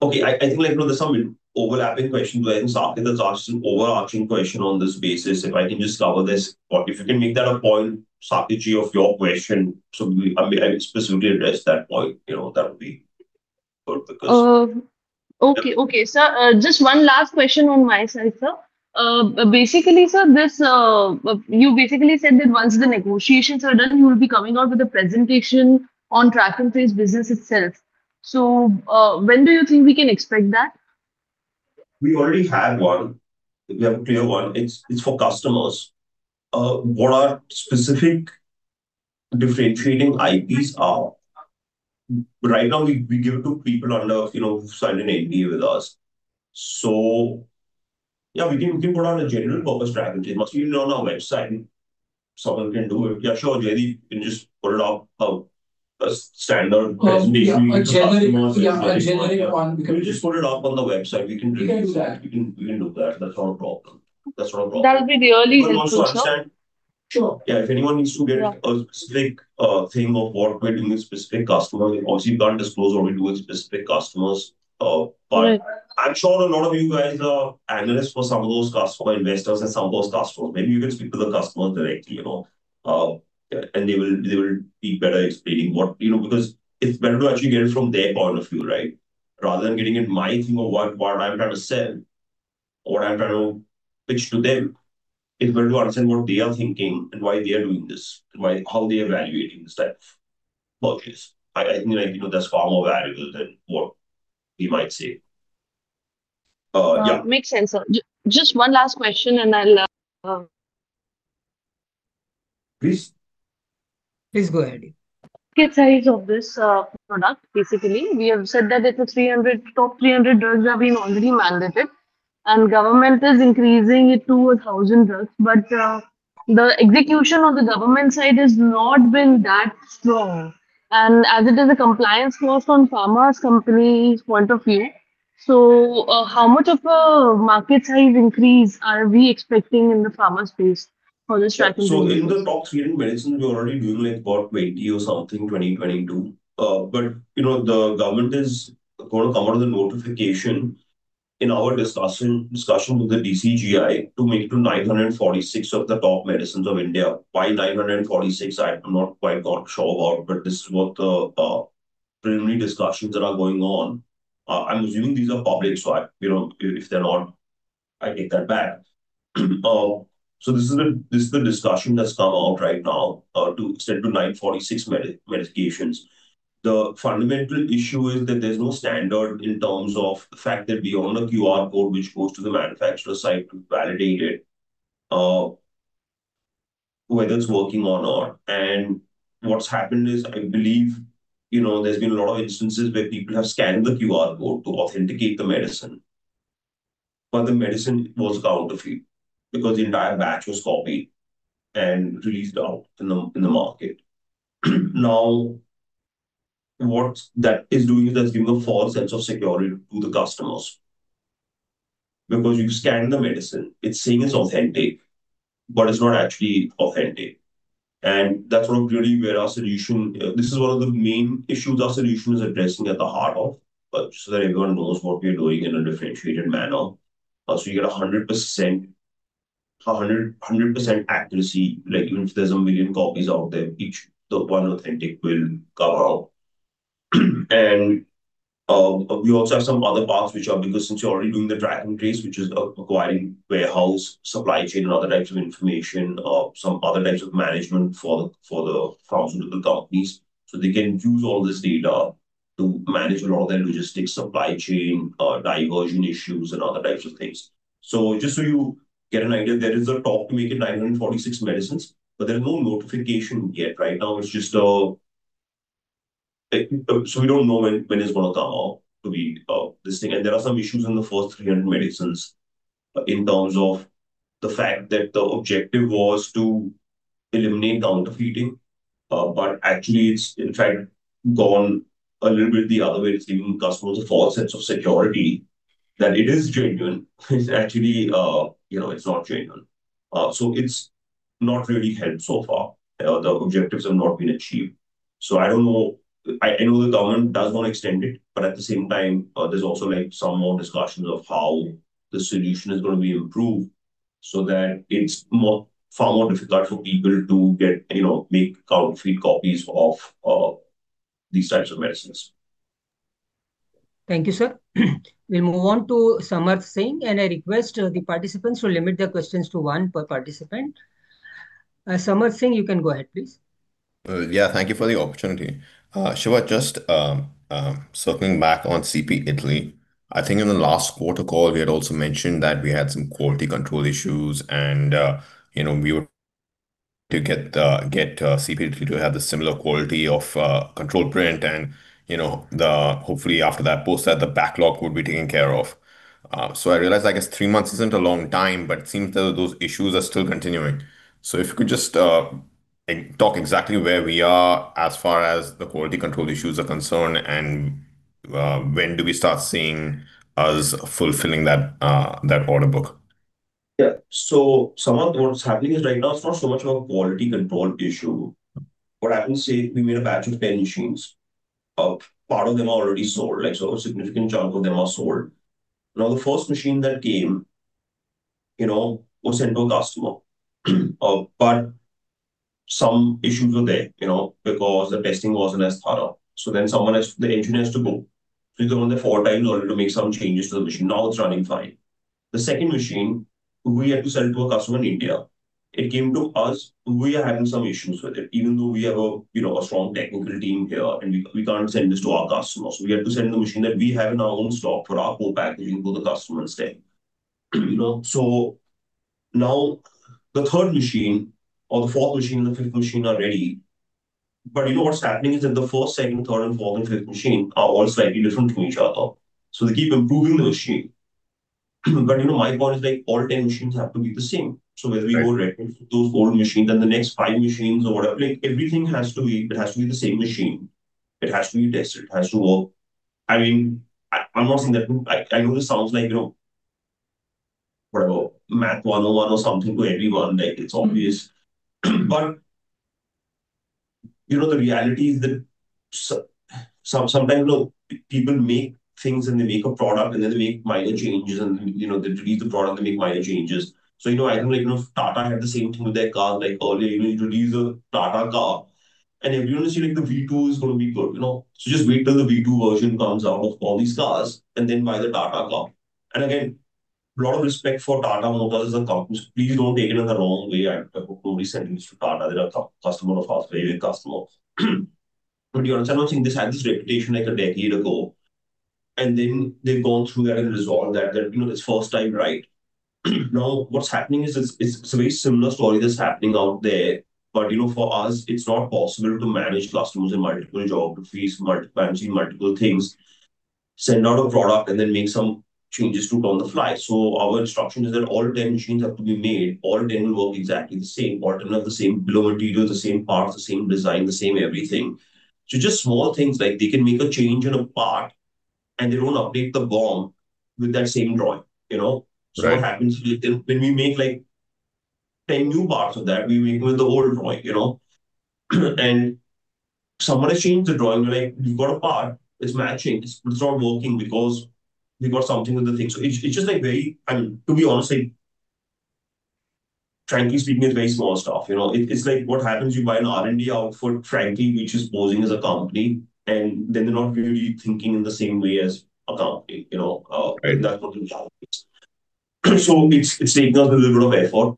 Okay, I think there's some overlapping questions. I think Saket has asked an overarching question on this basis. If I can just cover this, or if you can make that a point, Saket, of your question, so I can specifically address that point, that would be good because. Okay. Sir, just one last question on my side, sir. Sir, you said that once the negotiations are done, you will be coming out with a presentation on track and trace business itself. When do you think we can expect that? We already have one. We have a clear one. It's for customers. What our specific differentiating IPs are. Right now, we give it to people who've signed an NDA with us. Yeah, we can put on a general purpose track and trace. Must be on our website. Someone can do it. Yeah, sure, JD, you can just put it up, a standard presentation. Yeah. A generic one. We just put it up on the website. We can do that. We can do that. We can do that. That's not a problem. That'll be the early stage, no? But also understand Sure. Yeah, if anyone needs to. Yeah A specific thing of what we're doing with specific customers, we obviously can't disclose what we do with specific customers. Right. I'm sure a lot of you guys are analysts for some of those customer investors and some of those customers. Maybe you can speak to the customer directly. They will be better explaining what. Because it's better to actually get it from their point of view, right? Rather than getting it my view of what I'm trying to sell or what I'm trying to pitch to them. It's better to understand what they are thinking and why they are doing this, and how they're evaluating the set of folks. I think that's far more valuable than what we might say. Yeah. Makes sense, sir. Just one last question, and I'll. Please. Please go ahead. Get size of this product, basically. We have said that it was top 300 drugs have been already mandated, government is increasing it to 1,000 drugs. The execution on the government side has not been that strong. As it is a compliance cost from pharma company's point of view, how much of a market size increase are we expecting in the pharma space for this track and trace? In the top 300 medicines, we're already doing about 20 or something, 2022. The government is going to come out with a notification in our discussion with the DCGI to make to 946 of the top medicines of India. Why 946? I'm not quite sure about. This is what the preliminary discussions that are going on. I'm assuming these are public. If they're not, I take that back. This is the discussion that's come out right now, to extend to 946 medications. The fundamental issue is that there's no standard in terms of the fact that we own a QR code, which goes to the manufacturer site to validate it, whether it's working or not. What's happened is, I believe, there's been a lot of instances where people have scanned the QR code to authenticate the medicine, but the medicine was counterfeit because the entire batch was copied and released out in the market. What that is doing is, it's giving a false sense of security to the customers. You scan the medicine, it's saying it's authentic, but it's not actually authentic. This is one of the main issues our solution is addressing at the heart of, so that everyone knows what we're doing in a differentiated manner. You get 100% accuracy. Even if there's 1 million copies out there, the one authentic will come out. We also have some other parts which are, because since you're already doing the track and trace, which is acquiring warehouse, supply chain, and other types of information, or some other types of management for the thousands of the companies, so they can use all this data to manage a lot of their logistics, supply chain, diversion issues, and other types of things. Just so you get an idea, there is a talk to make it 946 medicines, but there's no notification yet. We don't know when it's going to come out to be this thing. There are some issues in the first 300 medicines in terms of the fact that the objective was to eliminate counterfeiting. It's in fact gone a little bit the other way. It's giving customers a false sense of security that it is genuine. Actually, it's not genuine. It's not really helped so far. The objectives have not been achieved. I don't know. I know the government does want to extend it, but at the same time, there's also some more discussions of how the solution is going to be improved so that it's far more difficult for people to make counterfeit copies of these types of medicines. Thank you, sir. We'll move on to Samarth Singh, and I request the participants to limit their questions to one per participant. Samarth Singh, you can go ahead, please. Thank you for the opportunity. Shiva, just circling back on CP Italy. I think in the last quarter call, we had also mentioned that we had some quality control issues, and we would to get CP Italy to have the similar quality of Control Print and, hopefully, after that, post that, the backlog would be taken care of. I realize, I guess three months isn't a long time, but it seems those issues are still continuing. If you could just talk exactly where we are as far as the quality control issues are concerned, and when do we start seeing us fulfilling that order book? Yeah. Some of what's happening is right now it's not so much of a quality control issue. What happens is, say, we made a batch of 10 machines. Part of them are already sold, so a significant chunk of them are sold. Now, the first machine that came was sent to a customer, but some issues were there, because the testing wasn't as thought of. The engineer has to go. He's gone there four times already to make some changes to the machine. Now it's running fine. The second machine, we had to sell to a customer in India. It came to us, we are having some issues with it, even though we have a strong technical team here, and we can't send this to our customer. We had to send the machine that we have in our own stock for our co-packaging to the customer instead. Now the third machine or the fourth machine and the fifth machine are ready. You know what's happening is in the first, second, third, fourth, and fifth machine are all slightly different from each other. They keep improving the machine. My point is all 10 machines have to be the same. Whether we go retro to those four machines and the next five machines or whatever, everything has to be the same machine. It has to be tested. It has to work. I am not saying that I know this sounds like math 101 or something to everyone, like it is obvious. The reality is that sometimes people make things and they make a product, and then they make minor changes and they release the product and make minor changes. I think of Tata had the same thing with their cars. Like earlier, you introduce a Tata car, and everybody was saying the V2 is going to be good. Just wait till the V2 version comes out of all these cars, and then buy the Tata car. Again, a lot of respect for Tata Motors as a company. Please don't take it in the wrong way. I have no problem saying this to Tata. They're a customer of ours, very big customer. You understand, I'm not saying this had this reputation like a decade ago, and then they've gone through that and resolved that. It's first time right. What's happening is, it's a very similar story that's happening out there. For us, it's not possible to manage customers in multiple geographies, managing multiple things, send out a product, and then make some changes to it on the fly. Our instruction is that all 10 machines have to be made, all 10 will work exactly the same. All 10 have the same Bill of Materials, the same parts, the same design, the same everything. Just small things, like they can make a change in a part, and they don't update the BOM with that same drawing. You know? Right. What happens when we make 10 new parts of that, we make with the old drawing. Someone has changed the drawing, we're like, "We've got a part, it's matching, it's not working because we've got something with the thing." To be honest, like, frankly speaking, it's very small stuff. It's like what happens, you buy an R&D outfit, frankly, which is posing as a company, and then they're not really thinking in the same way as a company. Right. That's what the challenge is. It's taking us a little bit of effort.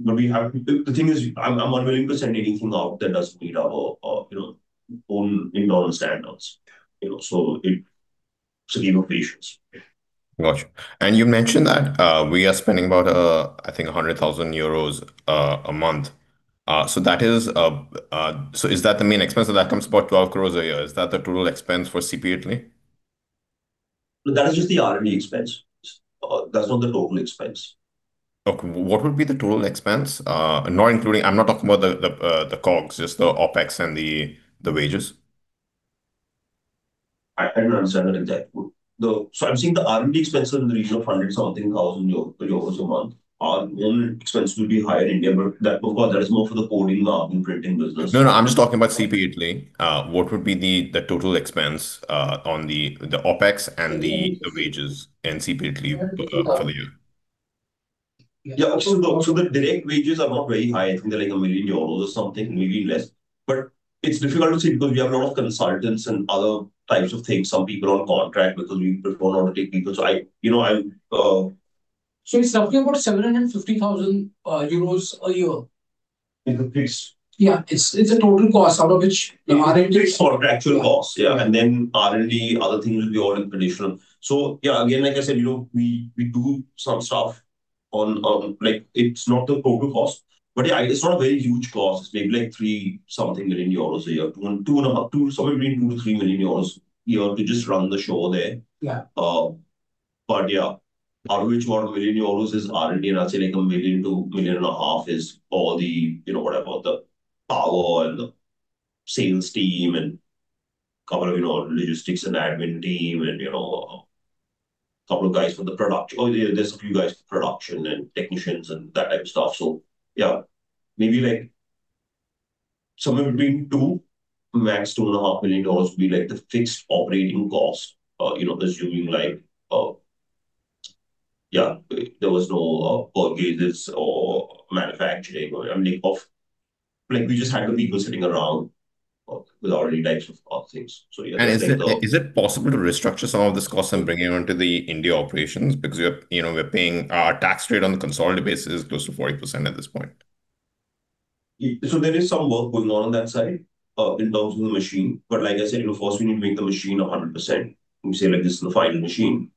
The thing is, I'm not willing to send anything out that doesn't meet our own internal standards. You need patience. Got you. You mentioned that we are spending about, I think, €100,000 a month. Is that the main expense? That comes about 12 crores a year. Is that the total expense for CP Italy? That is just the R&D expense. That's not the total expense. Okay. What would be the total expense? Not including, I'm not talking about the COGS, just the OpEx and the wages. I don't understand that exactly. I'm saying the R&D expense is in the region of 100 something thousand a month. Our main expense will be higher in India, that of course, that is more for the coding and printing business. No, no, I'm just talking about CP Italy. What would be the total expense on the OpEx and the wages and CP Italy for the year? Yeah. The direct wages are not very high. I think they're like 1 million euros or something, maybe less. It's difficult to say because we have a lot of consultants and other types of things. Some people are on contract because we prefer not to take people. It's something about €750,000 a year. Is the fix. Yeah. It's the total cost out of which the R&D. It's contractual costs. Yeah. Then R&D, other things will be all additional. Yeah, again, like I said, we do some stuff. It's not the total cost. Yeah, it's not a very huge cost. It's maybe like EUR three something million a year. Somewhere between 2 million-3 million euros a year to just run the show there. Yeah. Yeah, out of which 1 million euros is R&D, and I'd say like 1 million-1.5 million is all the, whatever, the power and the sales team and two logistics and admin team and two guys for the production. There's a few guys for production and technicians and that type of stuff. Yeah, maybe like somewhere between INR 2 million-INR 2.5 million would be like the fixed operating cost, assuming like, yeah, there was no purchases or manufacturing. We just had the people sitting around with all these types of things. Yeah. Is it possible to restructure some of this cost and bring it onto the India operations? Our tax rate on a consolidated basis is close to 40% at this point. There is some work going on on that side, in terms of the machine. Like I said, first we need to make the machine 100%, and say, like this is the final machine.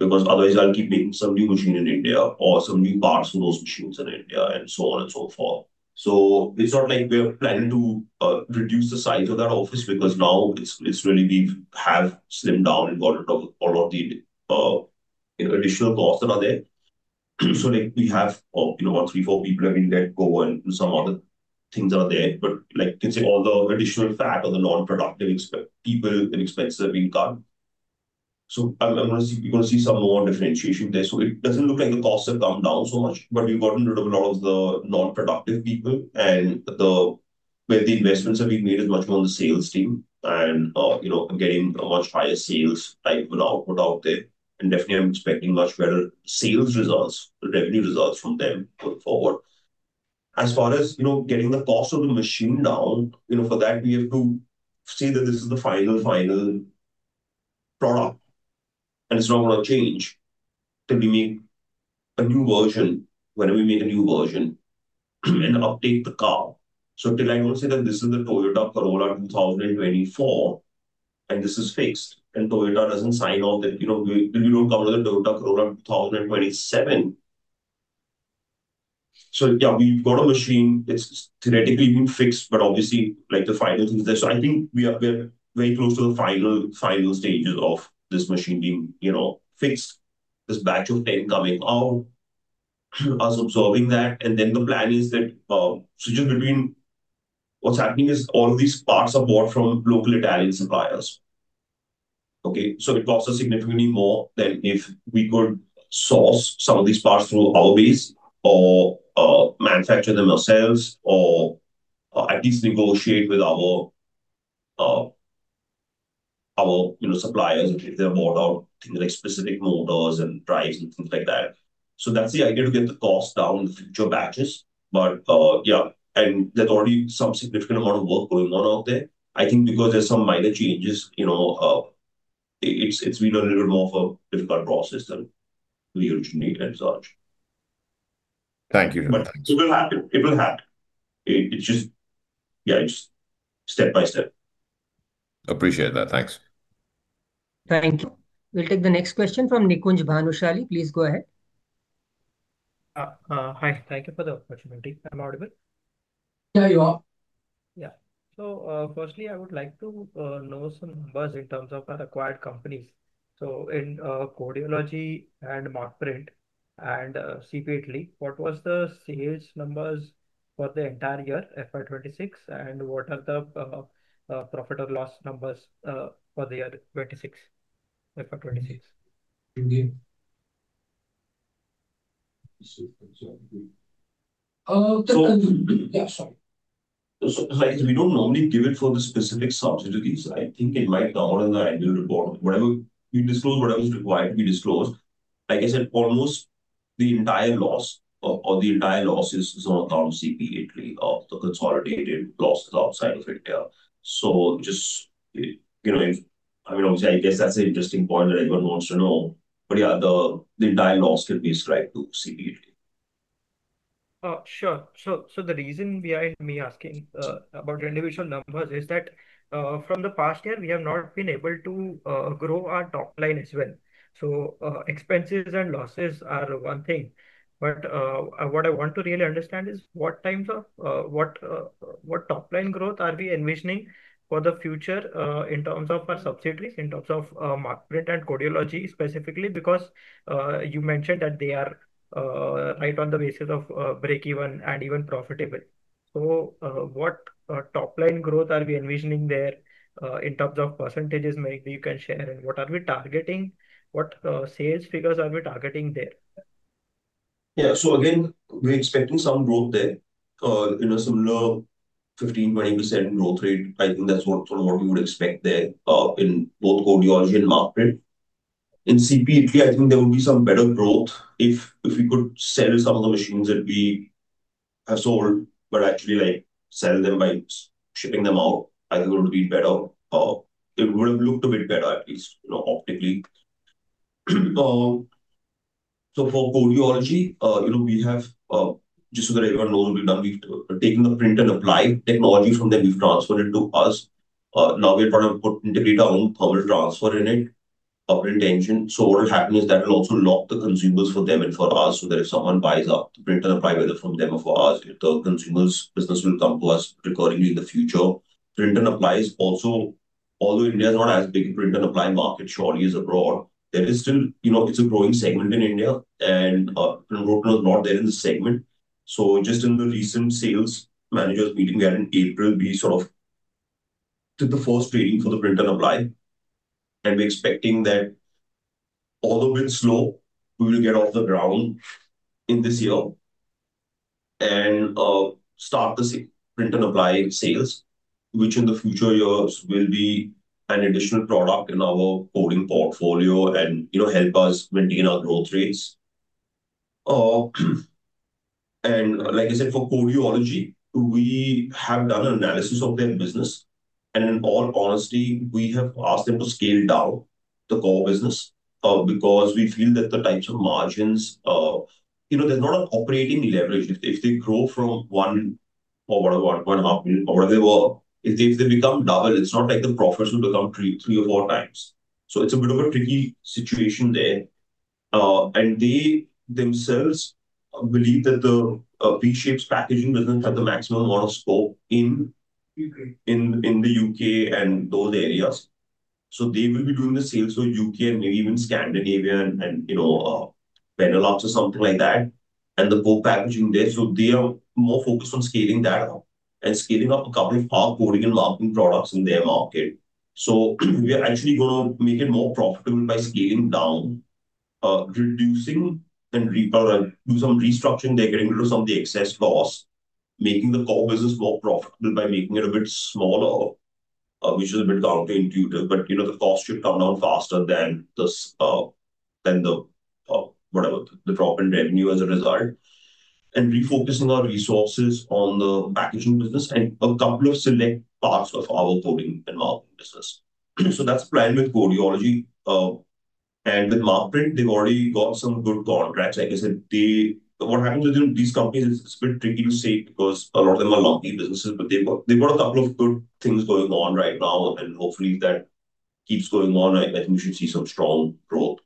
Otherwise, I'll keep making some new machine in India or some new parts for those machines in India and so on and so forth. It's not like we're planning to reduce the size of that office because now we have slimmed down a lot of the additional costs that are there. We have three, four people having that go and do some other things are there, but you can see all the additional fat or the non-productive people and expenses have been cut. I'm going to see some more differentiation there. It doesn't look like the costs have come down so much, but we've gotten rid of a lot of the non-productive people and where the investments have been made is much more on the sales team and getting a much higher sales type of an output out there. Definitely, I'm expecting much better sales results, the revenue results from them going forward. As far as getting the cost of the machine down, for that, we have to say that this is the final product, and it's not going to change till we make a new version, whenever we make a new version, and update the car. Till I don't say that this is the Toyota Corolla 2024, and this is fixed, and Toyota doesn't sign off that, we don't come with a Toyota Corolla 2027. Yeah, we've got a machine that's theoretically been fixed, but obviously, the final things there. I think we are very close to the final stages of this machine being fixed, this batch of 10 coming out, us observing that. The plan is that, switching between what's happening is all these parts are bought from local Italian suppliers. Okay. It costs us significantly more than if we could source some of these parts through our base or manufacture them ourselves or at least negotiate with our suppliers if they're bought out, things like specific motors and price and things like that. That's the idea to get the cost down for future batches. Yeah, there's already some significant amount of work going on out there. I think because there's some minor changes, it's been a little more of a difficult process than we originally envisaged. Thank you. It will happen. It's just step by step. Appreciate that. Thanks. Thank you. We'll take the next question from Nikunj Bhanushali. Please go ahead. Hi. Thank you for the opportunity. I'm audible? Yeah, you are. Firstly, I would like to know some numbers in terms of our acquired companies. In Codeology and Markprint and CP Italy, what was the sales numbers for the entire year, FY 2026, and what are the profit or loss numbers, for the year 2026, FY 2026? Again. Yeah, sorry. We don't normally give it for the specific subsidiaries. I think it might come out in the annual report. We disclose whatever is required to be disclosed. Like I said, almost the entire loss or the entire loss is around CP Italy or the consolidated losses outside of India. Just, I mean, obviously, I guess that's an interesting point that everyone wants to know. Yeah, the entire loss can be ascribed to CP Italy. Sure. The reason behind me asking about individual numbers is that, from the past year, we have not been able to grow our top-line as well. Expenses and losses are one thing, but what I want to really understand is what top-line growth are we envisioning for the future, in terms of our subsidiaries, in terms of Markprint and Codeology specifically, because you mentioned that they are right on the basis of breakeven and even profitable. What top-line growth are we envisioning there, in terms of percentages maybe you can share, and what are we targeting? What sales figures are we targeting there? Yeah. Again, we're expecting some growth there. Some low 15%-20% growth rate, I think that's what we would expect there, in both Codeology and Markprint. In CP Italy, I think there would be some better growth if we could sell some of the machines that we have sold, but actually sell them by shipping them out, I think it would be better, or it would have looked a bit better, at least, optically. For Codeology, just so that everyone knows, we've taken the print and apply technology from them, we've transferred it to us. Now we've got to integrate our own thermal transfer in it, operate engine. What will happen is that will also lock the consumers for them and for us, that if someone buys our print and apply whether from them or for us, the consumer's business will come to us recurringly in the future. Print and apply is also, although India is not as big a print and apply market surely as abroad, it's a growing segment in India and, Rotech is not there in the segment. Just in the recent sales managers meeting we had in April, we sort of did the first reading for the print and apply, and we're expecting that although it's slow, we will get off the ground in this year and, start the print and apply sales, which in the future years will be an additional product in our coding portfolio and help us maintain our growth rates. Like I said, for Codeology, we have done an analysis of their business, in all honesty, we have asked them to scale down the core business, because we feel that the types of margins, there's not an operating leverage. If they grow from 1 million or 1.5 million or whatever they were, if they become double, it's not like the profits will become three or four times. It's a bit of a tricky situation there. They themselves believe that the V-shaped packaging business has the maximum amount of scope in. UK In the U.K. and those areas. They will be doing the sales for U.K. and maybe even Scandinavia and Benelux or something like that. The bulk packaging there, so they are more focused on scaling that up and scaling up a couple of our coding and marking products in their market. We are actually going to make it more profitable by scaling down, reducing and do some restructuring there, getting rid of some of the excess costs, making the core business more profitable by making it a bit smaller, which is a bit counterintuitive, but the cost should come down faster than the drop in revenue as a result. Refocusing our resources on the packaging business and a couple of select parts of our coding and marking business. That's the plan with Codeology. With Markprint, they've already got some good contracts. Like I said, what happens with these companies, it's a bit tricky to say because a lot of them are lumpy businesses, but they've got a couple of good things going on right now, and hopefully that keeps going on. I think we should see some strong growth.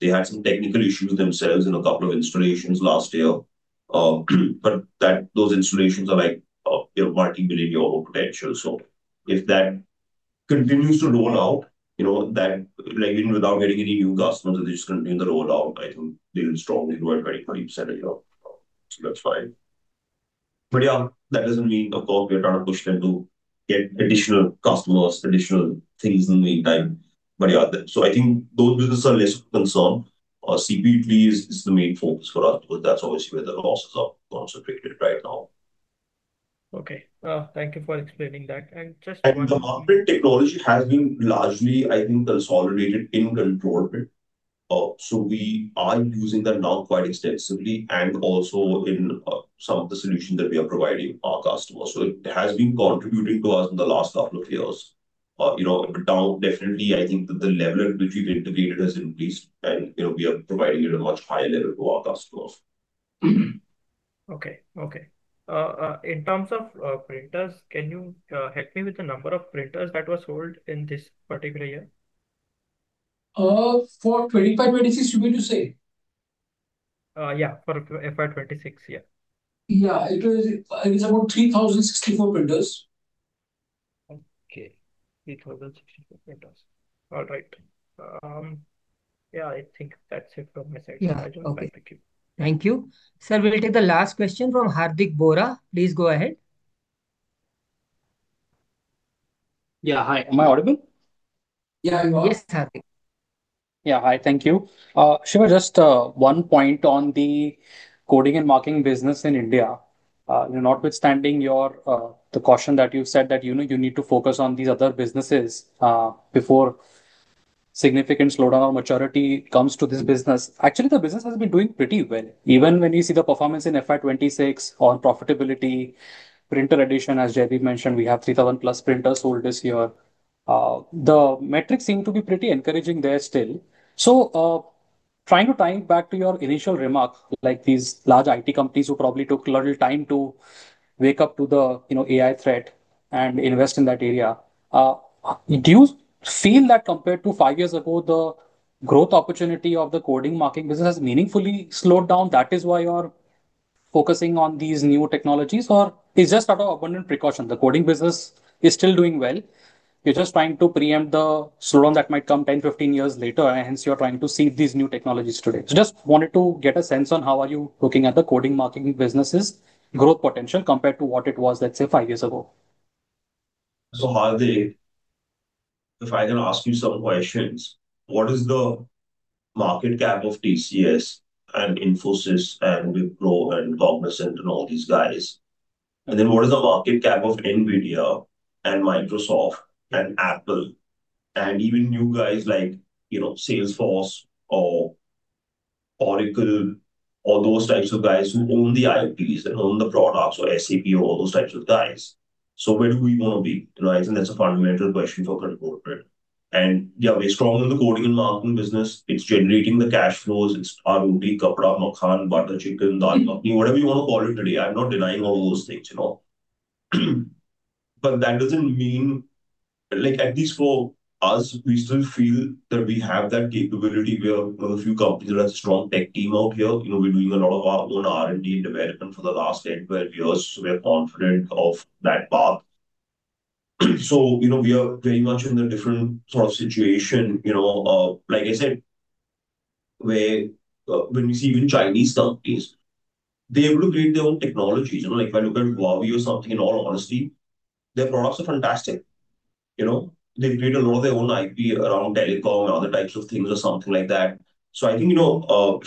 They had some technical issues themselves in a couple of installations last year. Those installations are like a multi-million euro potential. If that continues to roll out, even without getting any new customers, they just continue the rollout, I think they will strongly grow at 20%, 30% a year. That's fine. Yeah, that doesn't mean, of course, we are trying to push them to get additional customers, additional things in the meantime. Yeah, I think those businesses are less of a concern. CP3 is the main focus for us because that's obviously where the losses are concentrated right now. Okay. Thank you for explaining that. The Markprint technology has been largely, I think, consolidated in Control Print. We are using that now quite extensively and also in some of the solutions that we are providing our customers. It has been contributing to us in the last couple of years. Now, definitely, I think that the level at which we've integrated has increased, and we are providing it at a much higher level to our customers. Okay. In terms of printers, can you help me with the number of printers that was sold in this particular year? For 2025/2026, you mean to say? Yeah, for FY 2026, yeah. Yeah. It is about 3,064 printers. Okay. 3,064 printers. All right. Yeah, I think that's it from my side. Yeah. Okay. Thank you. Thank you. Sir, we'll take the last question from Hardick Bora. Please go ahead. Yeah. Hi, am I audible? Yeah, you are. Yes, Hardick. Yeah. Hi, thank you. Shiva, just one point on the coding and marking business in India. Notwithstanding the caution that you've said that you need to focus on these other businesses before significant slowdown or maturity comes to this business. Actually, the business has been doing pretty well. Even when you see the performance in FY 2026 on profitability, printer addition, as Jaideep mentioned, we have 3,000-plus printers sold this year. The metrics seem to be pretty encouraging there still. Trying to tie it back to your initial remark, like these large IT companies who probably took a little time to wake up to the AI threat and invest in that area, do you feel that compared to 5 years ago, the growth opportunity of the coding marking business has meaningfully slowed down, that is why you're focusing on these new technologies? Or it's just out of abundant precaution? The coding business is still doing well. You're just trying to preempt the slowdown that might come 10, 15 years later, and hence you are trying to seed these new technologies today. Just wanted to get a sense on how are you looking at the coding marking business's growth potential compared to what it was, let's say, five years ago. Hardick, if I can ask you some questions, what is the market cap of TCS and Infosys and Wipro and Cognizant and all these guys? Then what is the market cap of Nvidia and Microsoft and Apple, and even new guys like Salesforce or Oracle or those types of guys who own the IPs. They own the products or SAP or all those types of guys. Where do we want to be? That's a fundamental question for Control Print. Yeah, we're strong in the coding and marking business. It's generating the cash flows. It's our roti, kapda, makan, butter chicken, dal makhni, whatever you want to call it today. I'm not denying all those things. That doesn't mean, at least for us, we still feel that we have that capability. We are one of the few companies that have a strong tech team out here. We're doing a lot of our own R&D and development for the last 10, 12 years, so we are confident of that path. We are very much in a different sort of situation. Like I said, when we see even Chinese companies, they're able to create their own technologies. If I look at Huawei or something, in all honesty, their products are fantastic. They've created a lot of their own IP around telecom and other types of things or something like that. I think, if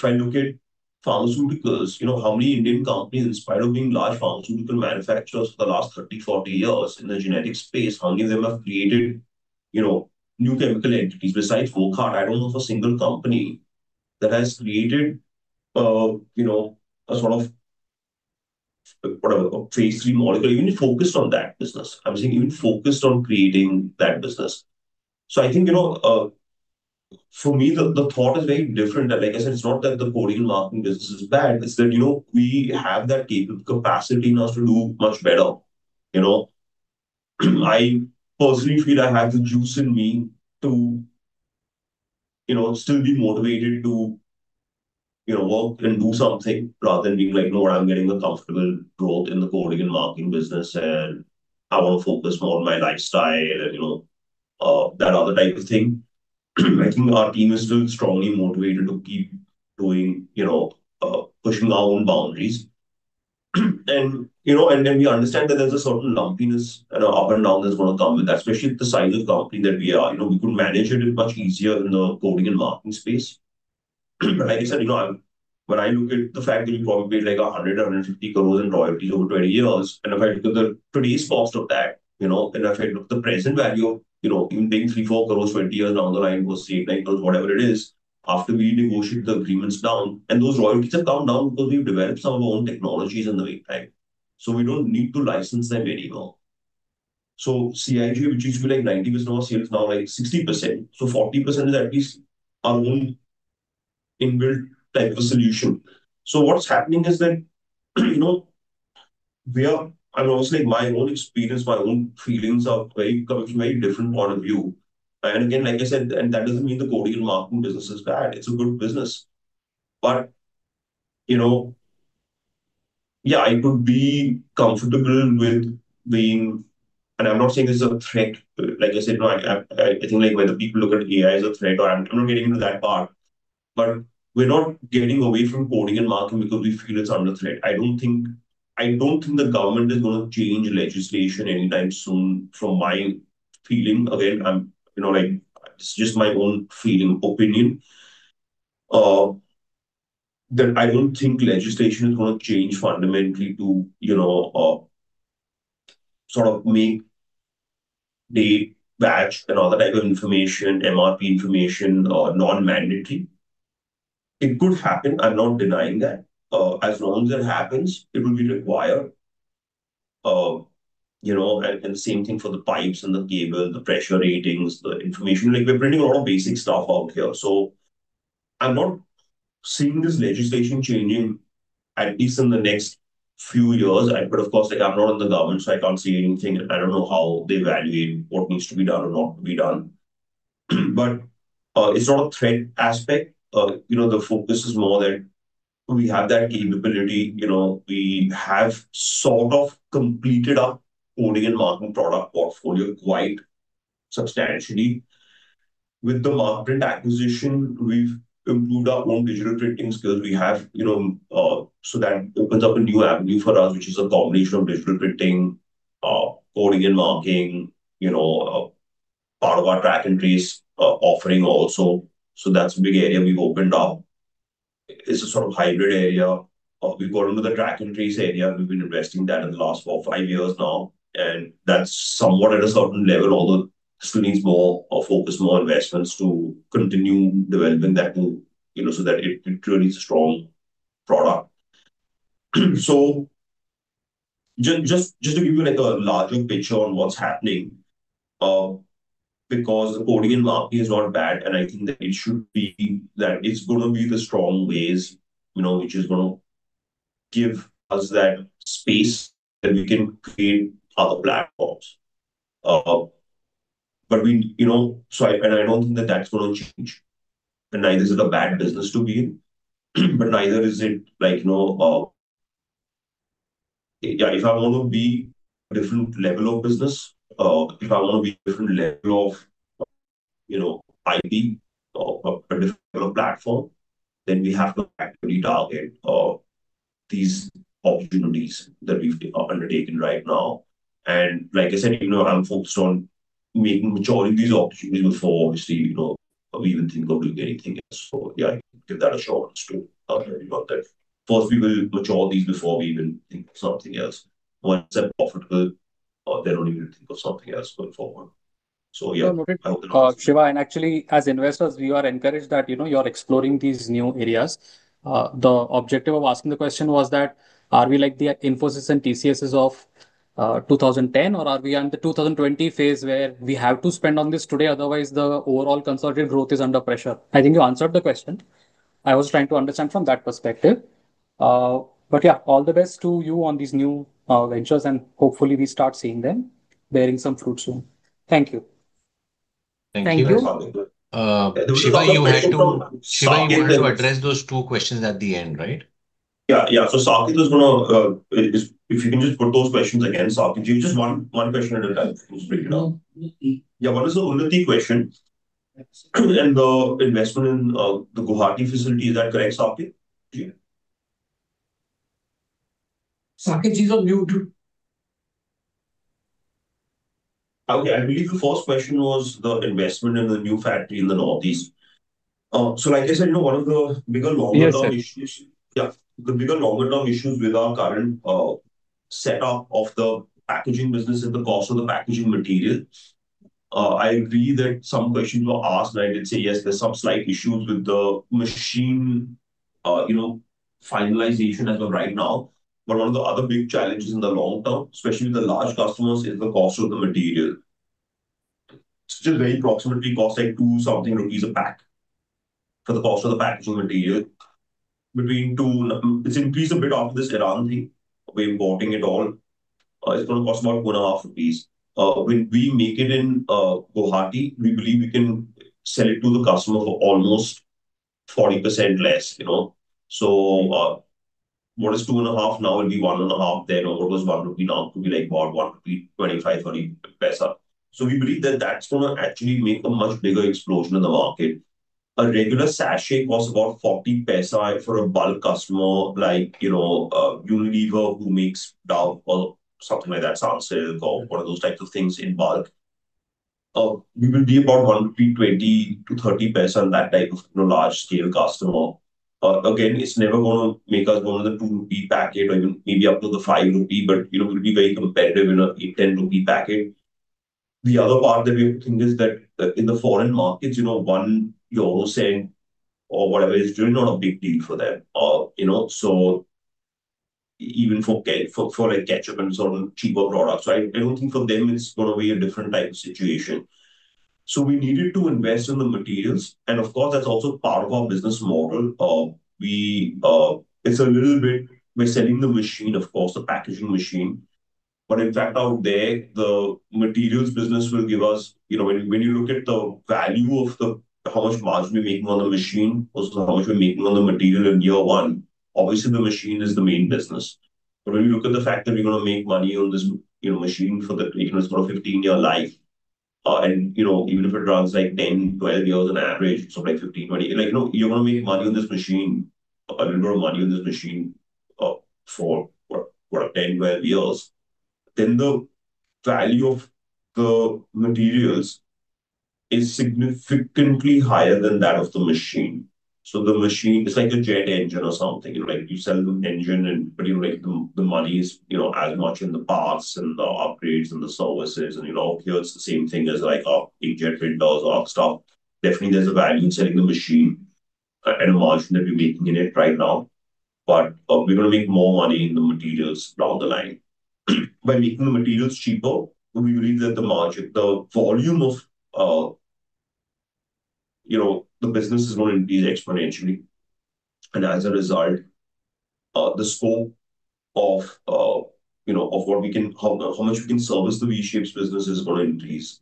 I look at pharmaceuticals, how many Indian companies, in spite of being large pharmaceutical manufacturers for the last 30, 40 years in the genetic space, how many of them have created new chemical entities besides Wockhardt? I don't know of a single company that has created a sort of phase III molecule, even focused on that business. I'm saying even focused on creating that business. I think, for me, the thought is very different. Like I said, it's not that the coding and marking business is bad, it's that we have that capacity in us to do much better. I personally feel I have the juice in me to still be motivated to work and do something rather than being like, "No, I'm getting a comfortable growth in the coding and marking business, and I want to focus more on my lifestyle," and that other type of thing. I think our team is still strongly motivated to keep pushing our own boundaries. We understand that there's a certain lumpiness and an up and down that's going to come with that, especially with the size of company that we are. We could manage it much easier in the coding and marking space. Like I said, when I look at the fact that we probably made 100 crore-150 crore in royalties over 20 years, and if I look at the today's cost of that, and if I look at the present value of even being 3 crore-4 crore, 20 years down the line, or say 9 crore, whatever it is, after we negotiate the agreements down, and those royalties have come down because we've developed some of our own technologies in the meantime, so we don't need to license them anymore. CIJ, which used to be like 90% of our sales, now like 60%. 40% is at least our own inbuilt type of solution. What's happening is that I'm obviously my own experience, my own feelings are coming from a very different point of view. Again, like I said, that doesn't mean the coding and marking business is bad. It's a good business. Yeah, I could be comfortable with being. I'm not saying this is a threat. Like I said, no, I think whether people look at AI as a threat or, I'm not getting into that part. We're not getting away from coding and marking because we feel it's under threat. I don't think the government is going to change legislation anytime soon, from my feeling. It's just my own feeling, opinion, that I don't think legislation is going to change fundamentally to sort of make the batch and all that type of information, MRP information non-mandatory. It could happen, I'm not denying that. As long as that happens, it will be required. The same thing for the pipes and the cable, the pressure ratings, the information. We're printing a lot of basic stuff out here, I'm not seeing this legislation changing, at least in the next few years. Of course, I'm not in the government, I can't say anything. I don't know how they evaluate what needs to be done or not to be done. It's not a threat aspect. The focus is more that we have that capability. We have sort of completed our coding and marking product portfolio quite substantially. With the Markprint acquisition, we've improved our own digital printing skills. That opens up a new avenue for us, which is a combination of digital printing, coding and marking, part of our track and trace offering also. That's a big area we've opened up. It's a sort of hybrid area. We've got into the track and trace area. We've been investing that in the last four or five years now, and that's somewhat at a certain level, although still needs more focus, more investments to continue developing that tool, so that it truly is a strong product. Just to give you a larger picture on what's happening, because coding and marking is not bad, and I think that it's going to be the strong ways which is going to give us that space that we can create other platforms. I don't think that's going to change. Neither is it a bad business to be in, but neither is it like, no. Yeah, if I want to be different level of business, if I want to be different level of IP or a different level platform, then we have to actively target these opportunities that we've undertaken right now. Like I said, I'm focused on making the majority of these opportunities before obviously, we even think of doing anything else. Give that assurance too. I've already got that. First we will mature these before we even think of something else. Once they're profitable, then only we'll think of something else going forward. No, noted. Shiva. Actually, as investors, we are encouraged that you're exploring these new areas. The objective of asking the question was that, are we like the Infosys and TCSs of 2010, or are we on the 2020 phase where we have to spend on this today, otherwise the overall consolidated growth is under pressure? I think you answered the question. I was trying to understand from that perspective. Yeah, all the best to you on these new ventures, and hopefully we start seeing them bearing some fruit soon. Thank you. Thank you. Thank you. Shiva, you had to address those two questions at the end, right? Yeah. Saket was going to If you can just put those questions again, Saket. Just one question at a time. Let's break it down. One at a time. Yeah. What is the UNNATI question? The investment in the Guwahati facility, is that correct, Saket? Yeah. Saket, these are new to you. Okay. I believe the first question was the investment in the new factory in the northeast. like I said, one of the bigger longer-term issues. Yes The bigger longer-term issues with our current setup of the packaging business is the cost of the packaging material. I agree that some questions were asked, and I did say yes, there's some slight issues with the machine finalization as of right now. But one of the other big challenges in the long term, especially with the large customers, is the cost of the material. Still very approximately costs like two something INR a pack for the cost of the packaging material. It's increased a bit after this Iran thing. We're importing it all. It's going to cost about one and a half INR. When we make it in Guwahati, we believe we can sell it to the customer for almost 40% less. What is two and a half now will be one and a half then, or what was INR 1 now it could be about INR 1.25-INR 1.30. We believe that's going to actually make a much bigger explosion in the market. A regular sachet was about 0.40 for a bulk customer like Unilever, who makes Dove or something like that, Sunsilk, or one of those types of things in bulk. We will be about 1.20-1.30 rupee on that type of large-scale customer. Again, it's never going to make us more than 2 rupee packet or even maybe up to the 5 rupee, but we'll be very competitive in a 8-10 rupee packet. The other part that we think is that in the foreign markets, 0.01 or whatever is really not a big deal for them. Even for a ketchup and sort of cheaper products, I don't think for them, it's going to be a different type of situation. We needed to invest in the materials, and of course, that's also part of our business model. It's a little bit, we're selling the machine, of course, the packaging machine. In fact, out there, the materials business will give us, when you look at the value of how much margin we're making on the machine versus how much we're making on the material in year one, obviously, the machine is the main business. When you look at the fact that we're going to make money on this machine for the, it's got a 15 year life, and even if it runs 10, 12 years on average, so 15, 20, you're going to make money on this machine, a little more money on this machine, for 10, 12 years. The value of the materials is significantly higher than that of the machine. The machine, it's like a jet engine or something. You sell the engine, but the money is as much in the parts and the upgrades and the services and here it's the same thing as like a jet windows or stock. Definitely, there's a value in selling the machine and margin that we're making in it right now, but we're going to make more money in the materials down the line. By making the materials cheaper, we believe that the margin, the volume of the business is going to increase exponentially. As a result, the scope of how much we can service the V-Shapes business is going to increase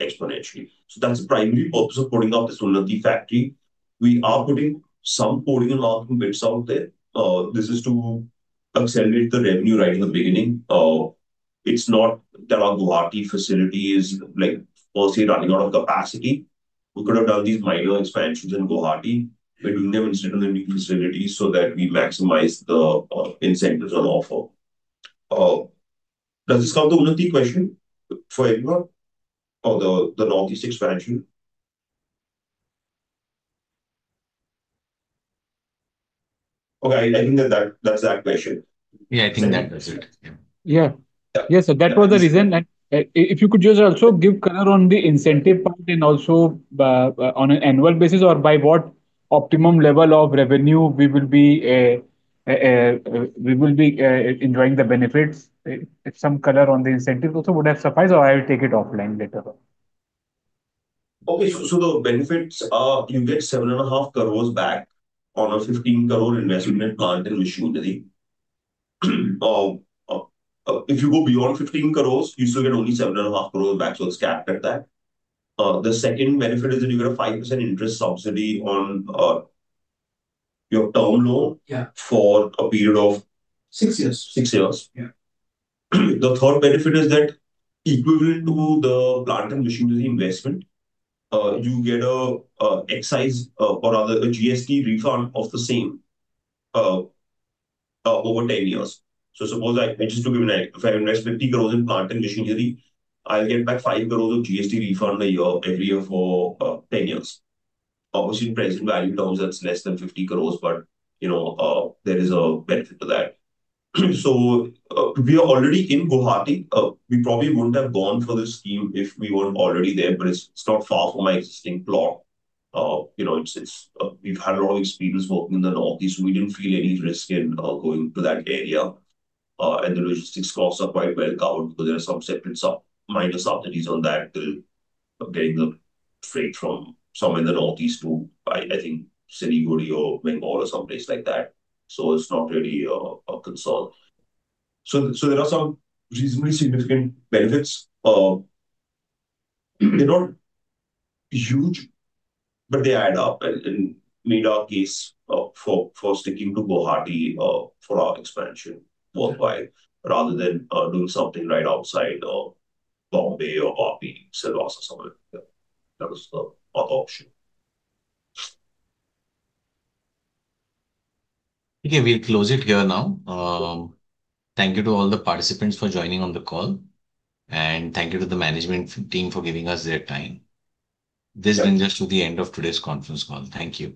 exponentially. That's the primary purpose of putting up this [solodi] factory. We are putting some pouring and locking bits out there. This is to accelerate the revenue right in the beginning. It's not that our Guwahati facility is mostly running out of capacity. We could have done these minor expansions in Guwahati. We're doing them instead of the new facilities so that we maximize the incentives on offer. Does this cover the Ulundi question for everyone? The Northeast expansion? I think that's that question. Yeah, I think that's it. Yeah. Yeah. Yeah. Yes. That was the reason. If you could just also give color on the incentive part and also, on an annual basis or by what optimum level of revenue we will be enjoying the benefits. If some color on the incentive also would have sufficed, or I'll take it offline later. The benefits are, you get 7.5 crores back on a 15 crore investment plant and machinery. If you go beyond 15 crores, you still get only 7.5 crores back, it is capped at that. The second benefit is that you get a 5% interest subsidy on your term loan. Yeah for a period of Six years. Six years. Yeah. The third benefit is that equivalent to the plant and machinery investment, you get a excise, or rather a GST refund of the same, over 10 years. Suppose, just to give you an idea, if I invest 50 crores in plant and machinery, I'll get back 5 crores of GST refund a year every year for 10 years. Obviously, in present value terms, that's less than 50 crores, there is a benefit to that. We are already in Guwahati. We probably wouldn't have gone for this scheme if we weren't already there, it's not far from my existing plot. We've had a lot of experience working in the Northeast, we didn't feel any risk in going to that area. The logistics costs are quite well covered because there are some separate, minor subsidies on that, getting the freight from somewhere in the Northeast to, I think Siliguri or Bangalore or someplace like that. It's not really a concern. There are some reasonably significant benefits. They're not huge, but they add up and made our case for sticking to Guwahati for our expansion worldwide, rather than doing something right outside Bombay or Delhi or somewhere like that. That was the option. Okay, we'll close it here now. Thank you to all the participants for joining on the call. Thank you to the management team for giving us their time. This brings us to the end of today's conference call. Thank you.